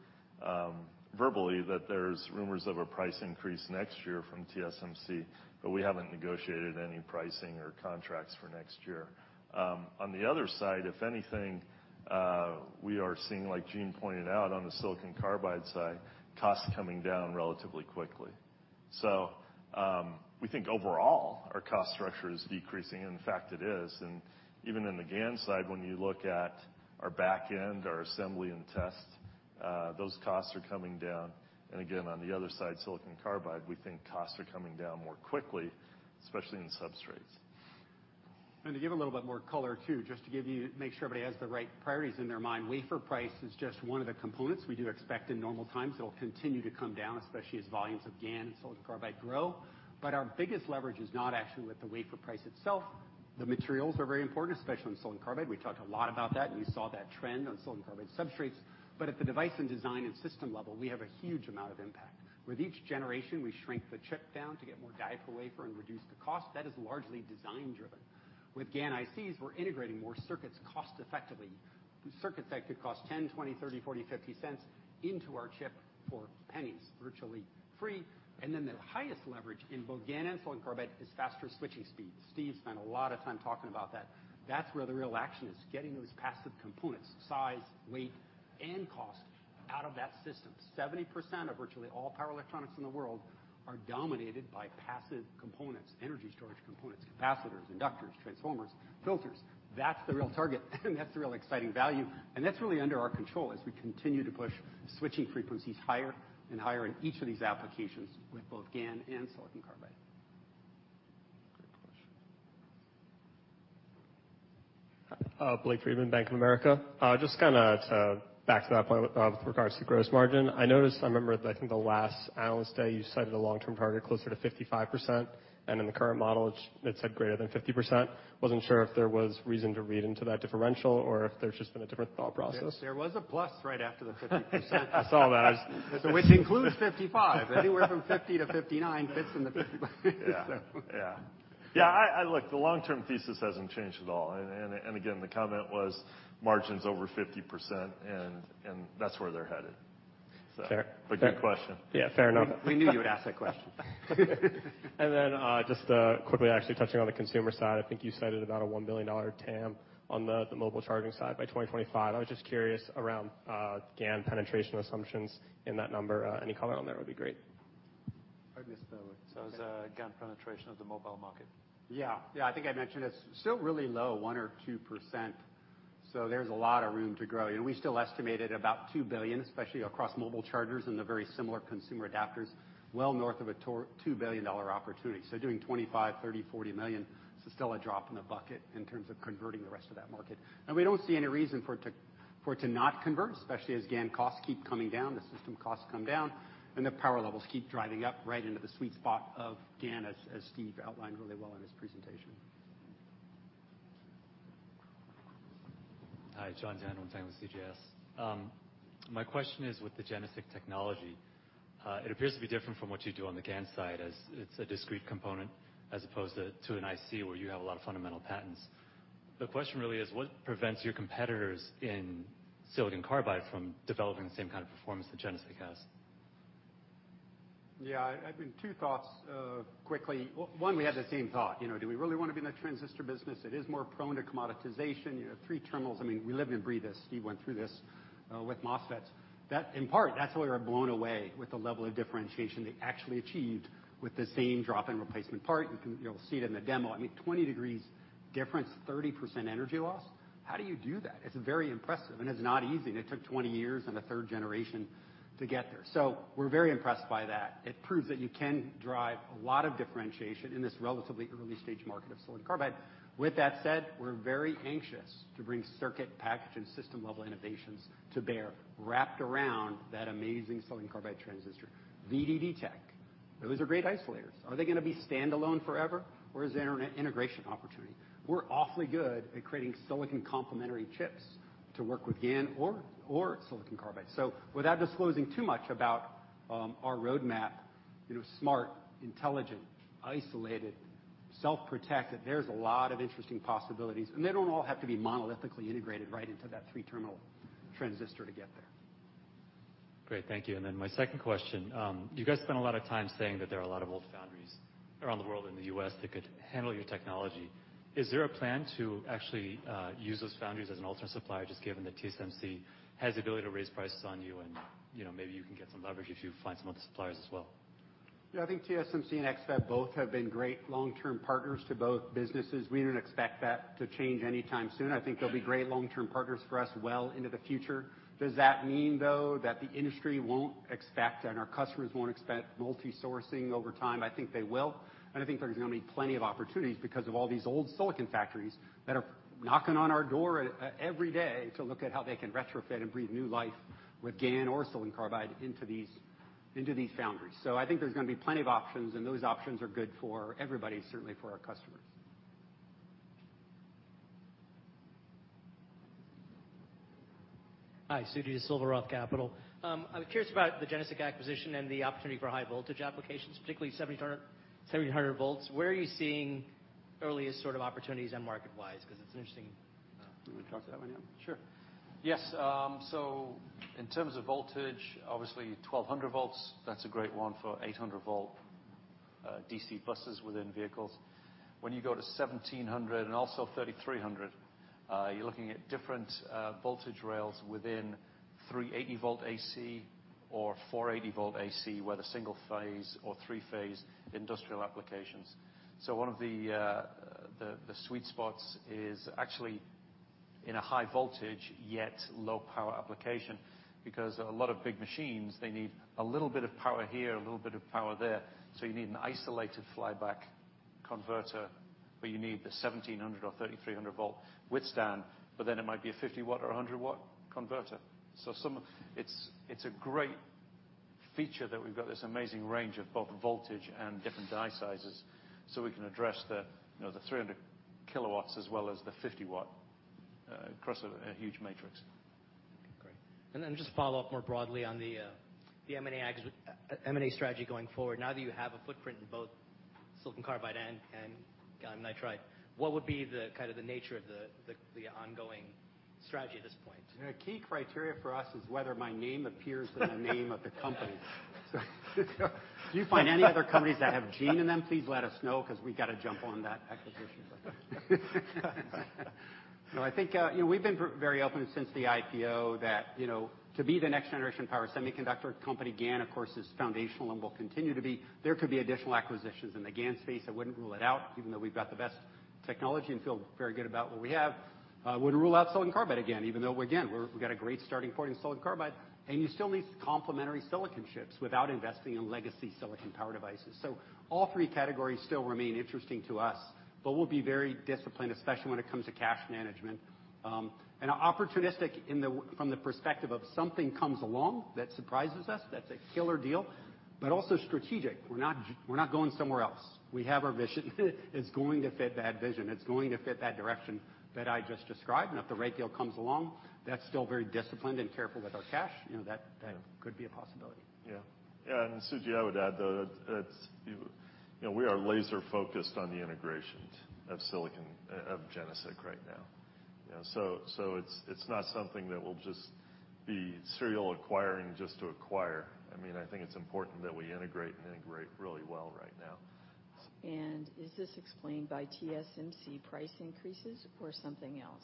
verbally that there's rumors of a price increase next year from TSMC, but we haven't negotiated any pricing or contracts for next year. On the other side, if anything, we are seeing, like Jean pointed out on the silicon carbide side, costs coming down relatively quickly. We think overall our cost structure is decreasing, and in fact it is. Even in the GaN side, when you look at our back end, our assembly and test, those costs are coming down. Again, on the other side, silicon carbide, we think costs are coming down more quickly, especially in the substrates. To give a little bit more color too, make sure everybody has the right priorities in their mind, wafer price is just one of the components. We do expect in normal times it'll continue to come down, especially as volumes of GaN and silicon carbide grow. Our biggest leverage is not actually with the wafer price itself. The materials are very important, especially on silicon carbide. We talked a lot about that, and you saw that trend on silicon carbide substrates. At the device and design and system level, we have a huge amount of impact. With each generation, we shrink the chip down to get more die per wafer and reduce the cost. That is largely design driven. With GaN ICs, we're integrating more circuits cost effectively. Circuits that could cost $0.10, $0.20, $0.30, $0.40, 0$.50 cents into our chip for pennies, virtually free. Then the highest leverage in both GaN and silicon carbide is faster switching speeds. Steve spent a lot of time talking about that. That's where the real action is, getting those passive components size, weight, and cost out of that system. 70% of virtually all power electronics in the world are dominated by passive components, energy storage components, capacitors, inductors, transformers, filters. That's the real target and that's the real exciting value, and that's really under our control as we continue to push switching frequencies higher and higher in each of these applications with both GaN and silicon carbide. Great question. Blake Friedman, Bank of America. Just kinda to back to that point with regards to gross margin. I noticed, I remember I think the last analyst day you cited a long-term target closer to 55%, and in the current model it said greater than 50%. Wasn't sure if there was reason to read into that differential or if there's just been a different thought process. There was a plus right after the 50%. I saw that. Which includes 55%. Anywhere from 50%-59% fits in the 55%. Yeah. Yeah. Yeah, look, the long-term thesis hasn't changed at all. Again, the comment was margins over 50% and that's where they're headed. Fair. Good question. Yeah, fair enough. We knew you would ask that question. Just quickly actually touching on the consumer side, I think you cited about a $1 billion TAM on the mobile charging side by 2025. I was just curious around GaN penetration assumptions in that number. Any comment on that would be great. I missed that one. It as GaN penetration of the mobile market. Yeah. Yeah, I think I mentioned it's still really low, 1% or 2%, so there's a lot of room to grow. You know, we still estimated about $2 billion, especially across mobile chargers and the very similar consumer adapters, well north of $2 billion opportunity. Doing $25 million, $30 million, $40 million is still a drop in the bucket in terms of converting the rest of that market. We don't see any reason for it to not convert, especially as GaN costs keep coming down, the system costs come down, and the power levels keep driving up right into the sweet spot of GaN, as Steve outlined really well in his presentation. Hi, Jon Tanwanteng with CJS Securities. My question is with the GeneSiC technology. It appears to be different from what you do on the GaN side, as it's a discrete component as opposed to an IC where you have a lot of fundamental patents. The question really is what prevents your competitors in silicon carbide from developing the same kind of performance that GeneSiC has? Yeah, two thoughts quickly. One, we had the same thought, you know. Do we really wanna be in the transistor business? It is more prone to commoditization. You have three terminals. I mean, we live and breathe this. Steve went through this with MOSFETs. In part, that's why we were blown away with the level of differentiation they actually achieved with the same drop-in replacement part. You'll see it in the demo. I mean, 20 degrees difference, 30% energy loss. How do you do that? It's very impressive, and it's not easy, and it took 20 years and a third generation to get there. We're very impressed by that. It proves that you can drive a lot of differentiation in this relatively early stage market of silicon carbide. With that said, we're very anxious to bring circuit package and system-level innovations to bear, wrapped around that amazing silicon carbide transistor. VDD Tech, those are great isolators. Are they gonna be standalone forever, or is there an integration opportunity? We're awfully good at creating silicon complementary chips to work with GaN or silicon carbide. So without disclosing too much about our roadmap, you know, smart, intelligent, isolated, self-protected, there's a lot of interesting possibilities, and they don't all have to be monolithically integrated right into that three terminal transistor to get there. Great. Thank you. My second question. You guys spend a lot of time saying that there are a lot of old foundries around the world in the U.S. that could handle your technology. Is there a plan to actually use those foundries as an alternate supplier, just given that TSMC has the ability to raise prices on you and, you know, maybe you can get some leverage if you find some other suppliers as well? Yeah. I think TSMC and X-FAB both have been great long-term partners to both businesses. We don't expect that to change anytime soon. I think they'll be great long-term partners for us well into the future. Does that mean, though, that the industry won't expect and our customers won't expect multi-sourcing over time? I think they will, and I think there's gonna be plenty of opportunities because of all these old silicon factories that are knocking on our door every day to look at how they can retrofit and breathe new life with GaN or silicon carbide into these foundries. I think there's gonna be plenty of options, and those options are good for everybody, certainly for our customers. Hi. Suji Desilva, Roth Capital. I'm curious about the GeneSiC acquisition and the opportunity for high voltage applications, particularly 700 V. Where are you seeing earliest sort of opportunities and market-wise? 'Cause it's interesting. You wanna talk to that one, Ian? Yes. In terms of voltage, obviously 1200 volts, that's a great one for 800 V DC buses within vehicles. When you go to 1700 V and also 3300 V, you're looking at different voltage rails within 380 V AC or 480 V AC, whether single phase or three-phase industrial applications. One of the sweet spots is actually in a high voltage yet low power application because a lot of big machines, they need a little bit of power here, a little bit of power there. You need an isolated flyback converter, but you need the 1700 V or 3300 V withstand, but then it might be a 50 W or a 100 W converter. It's a great feature that we've got this amazing range of both voltage and different die sizes, so we can address the, you know, the 300 kW as well as the 50 W across a huge matrix. Okay. Great. Just follow up more broadly on the M&A strategy going forward. Now that you have a footprint in both silicon carbide and gallium nitride, what would be the kind of ongoing strategy at this point? The key criteria for us is whether my name appears in the name of the company. If you find any other companies that have Gene in them, please let us know 'cause we gotta jump on that acquisition. No, I think, you know, we've been very open since the IPO that, you know, to be the next generation power semiconductor company, GaN, of course, is foundational and will continue to be. There could be additional acquisitions in the GaN space. I wouldn't rule it out, even though we've got the best technology and feel very good about what we have. Wouldn't rule out silicon carbide again, even though again, we've got a great starting point in silicon carbide, and you still need complementary silicon chips without investing in legacy silicon power devices. All three categories still remain interesting to us, but we'll be very disciplined, especially when it comes to cash management, and opportunistic from the perspective of something comes along that surprises us, that's a killer deal, but also strategic. We're not going somewhere else. We have our vision. It's going to fit that vision. It's going to fit that direction that I just described, and if the right deal comes along, that's still very disciplined and careful with our cash. You know, that could be a possibility. Yeah. Yeah, Suji, I would add, though, that it's, you know, we are laser focused on the integrations of GeneSiC right now. You know, so it's not something that we'll just be serially acquiring just to acquire. I mean, I think it's important that we integrate and integrate really well right now. Is this explained by TSMC price increases or something else?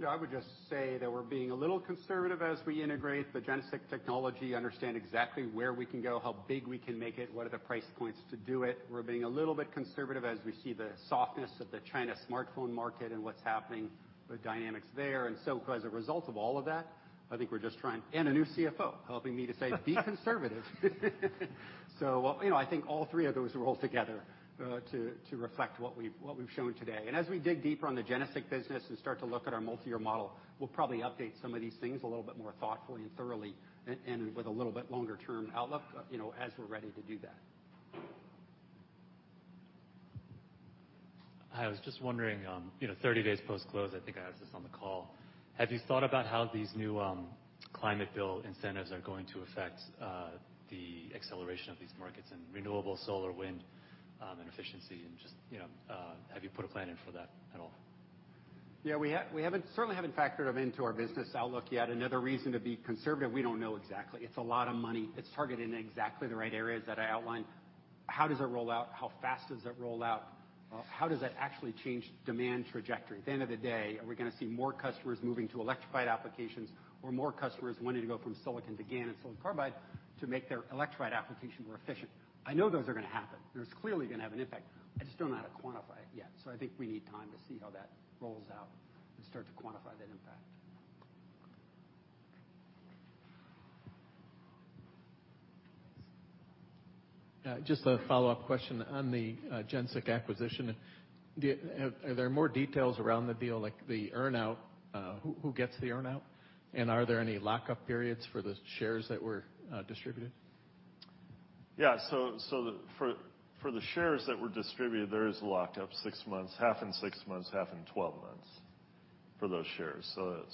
Yeah. I would just say that we're being a little conservative as we integrate the GeneSiC technology, understand exactly where we can go, how big we can make it, what are the price points to do it. We're being a little bit conservative as we see the softness of the China smartphone market and what's happening, the dynamics there. As a result of all of that, I think we're just a new CFO helping me to say, "Be conservative." You know, I think all three of those roll together to reflect what we've shown today. As we dig deeper on the GeneSiC business and start to look at our multi-year model, we'll probably update some of these things a little bit more thoughtfully and thoroughly and with a little bit longer term outlook, you know, as we're ready to do that. I was just wondering, you know, 30 days post-close, I think I asked this on the call. Have you thought about how these new climate bill incentives are going to affect the acceleration of these markets in renewable solar, wind, and efficiency and just, you know, have you put a plan in for that at all? Yeah, we certainly haven't factored them into our business outlook yet. Another reason to be conservative, we don't know exactly. It's a lot of money. It's targeted in exactly the right areas that I outlined. How does it roll out? How fast does it roll out? How does it actually change demand trajectory? At the end of the day, are we gonna see more customers moving to electrified applications or more customers wanting to go from silicon to GaN and silicon carbide to make their electrified applications more efficient? I know those are gonna happen. There's clearly gonna have an impact. I just don't know how to quantify it yet. I think we need time to see how that rolls out and start to quantify that impact. Just a follow-up question on the GeneSiC acquisition. Are there more details around the deal, like the earn-out, who gets the earn-out? Are there any lockup periods for the shares that were distributed? For the shares that were distributed, there is a lockup, six months. Half in six months, half in 12 months for those shares.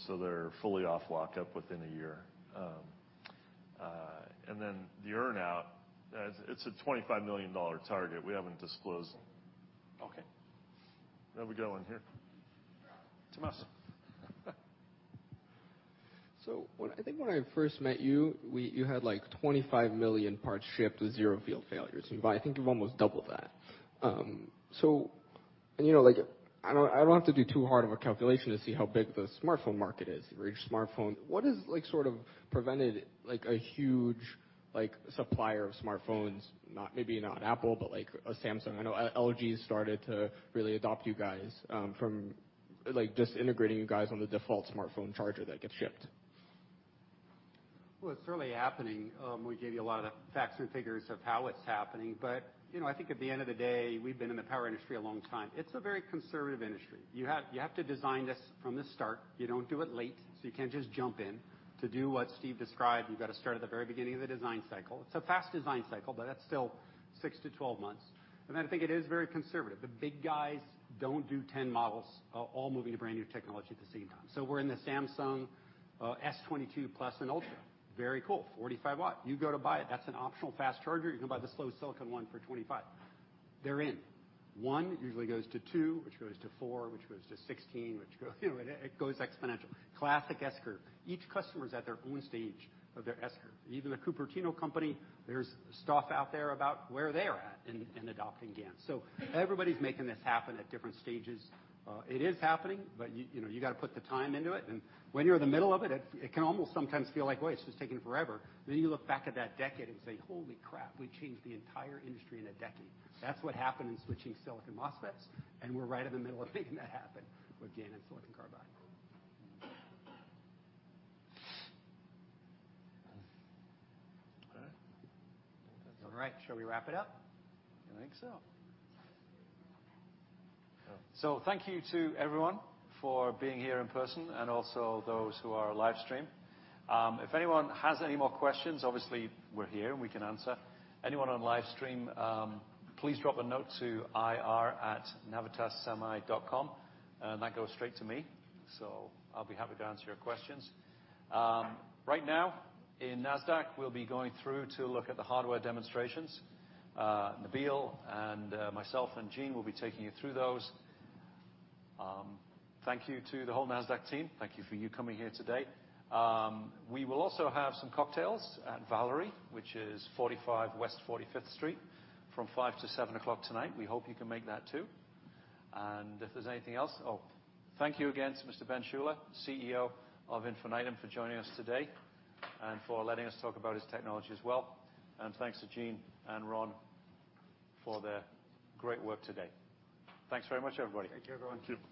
They're fully off lockup within a year. The earn-out is a $25 million target. We haven't disclosed. Okay. There we go, in here. Tumas. I think when I first met you had like 25 million parts shipped with zero field failures, and I think you've almost doubled that. You know, like I don't have to do too hard of a calculation to see how big the smartphone market is for each smartphone. What is like sort of prevented like a huge like supplier of smartphones, not, maybe not Apple, but like a Samsung. I know LG has started to really adopt you guys from like just integrating you guys on the default smartphone charger that gets shipped. Well, it's certainly happening. We gave you a lot of the facts and figures of how it's happening. You know, I think at the end of the day, we've been in the power industry a long time. It's a very conservative industry. You have to design this from the start. You don't do it late, so you can't just jump in. To do what Steve described, you've got to start at the very beginning of the design cycle. It's a fast design cycle, but that's still 6-12 months. Then I think it is very conservative. The big guys don't do 10 models all moving to brand new technology at the same time. We're in the Samsung Galaxy S22+ and Samsung Galaxy S22 Ultra, very cool, 45 W. You go to buy it, that's an optional fast charger. You can buy the slow silicon one for $25. They're in. One usually goes to two, which goes to four, which goes to 16. You know, it goes exponential. Classic S-curve. Each customer is at their own stage of their S-curve. Even the Cupertino company, there's stuff out there about where they're at in adopting GaN. So everybody's making this happen at different stages. It is happening, but you know, you gotta put the time into it, and when you're in the middle of it can almost sometimes feel like, "Wait, this is taking forever." Then you look back at that decade and say, "Holy crap, we changed the entire industry in a decade." That's what happened in switching silicon MOSFETs, and we're right in the middle of making that happen with GaN and silicon carbide. All right. All right. Shall we wrap it up? I think so. Thank you to everyone for being here in person and also those who are live stream. If anyone has any more questions, obviously, we're here and we can answer. Anyone on live stream, please drop a note to ir@navitassemi.com, and that goes straight to me, so I'll be happy to answer your questions. Right now, in Nasdaq, we'll be going through to look at the hardware demonstrations. Nabil and myself, and Gene will be taking you through those. Thank you to the whole Nasdaq team. Thank you for coming here today. We will also have some cocktails at Valerie, which is 45 West 45th Street from 5:00 PM-7:00 PM tonight. We hope you can make that too. If there's anything else. Oh, thank you again to Mr. Ben Schuler, CEO of Infinitum Electric, for joining us today and for letting us talk about his technology as well. Thanks to Gene and Ron for their great work today. Thanks very much, everybody. Thank you, everyone. Thank you.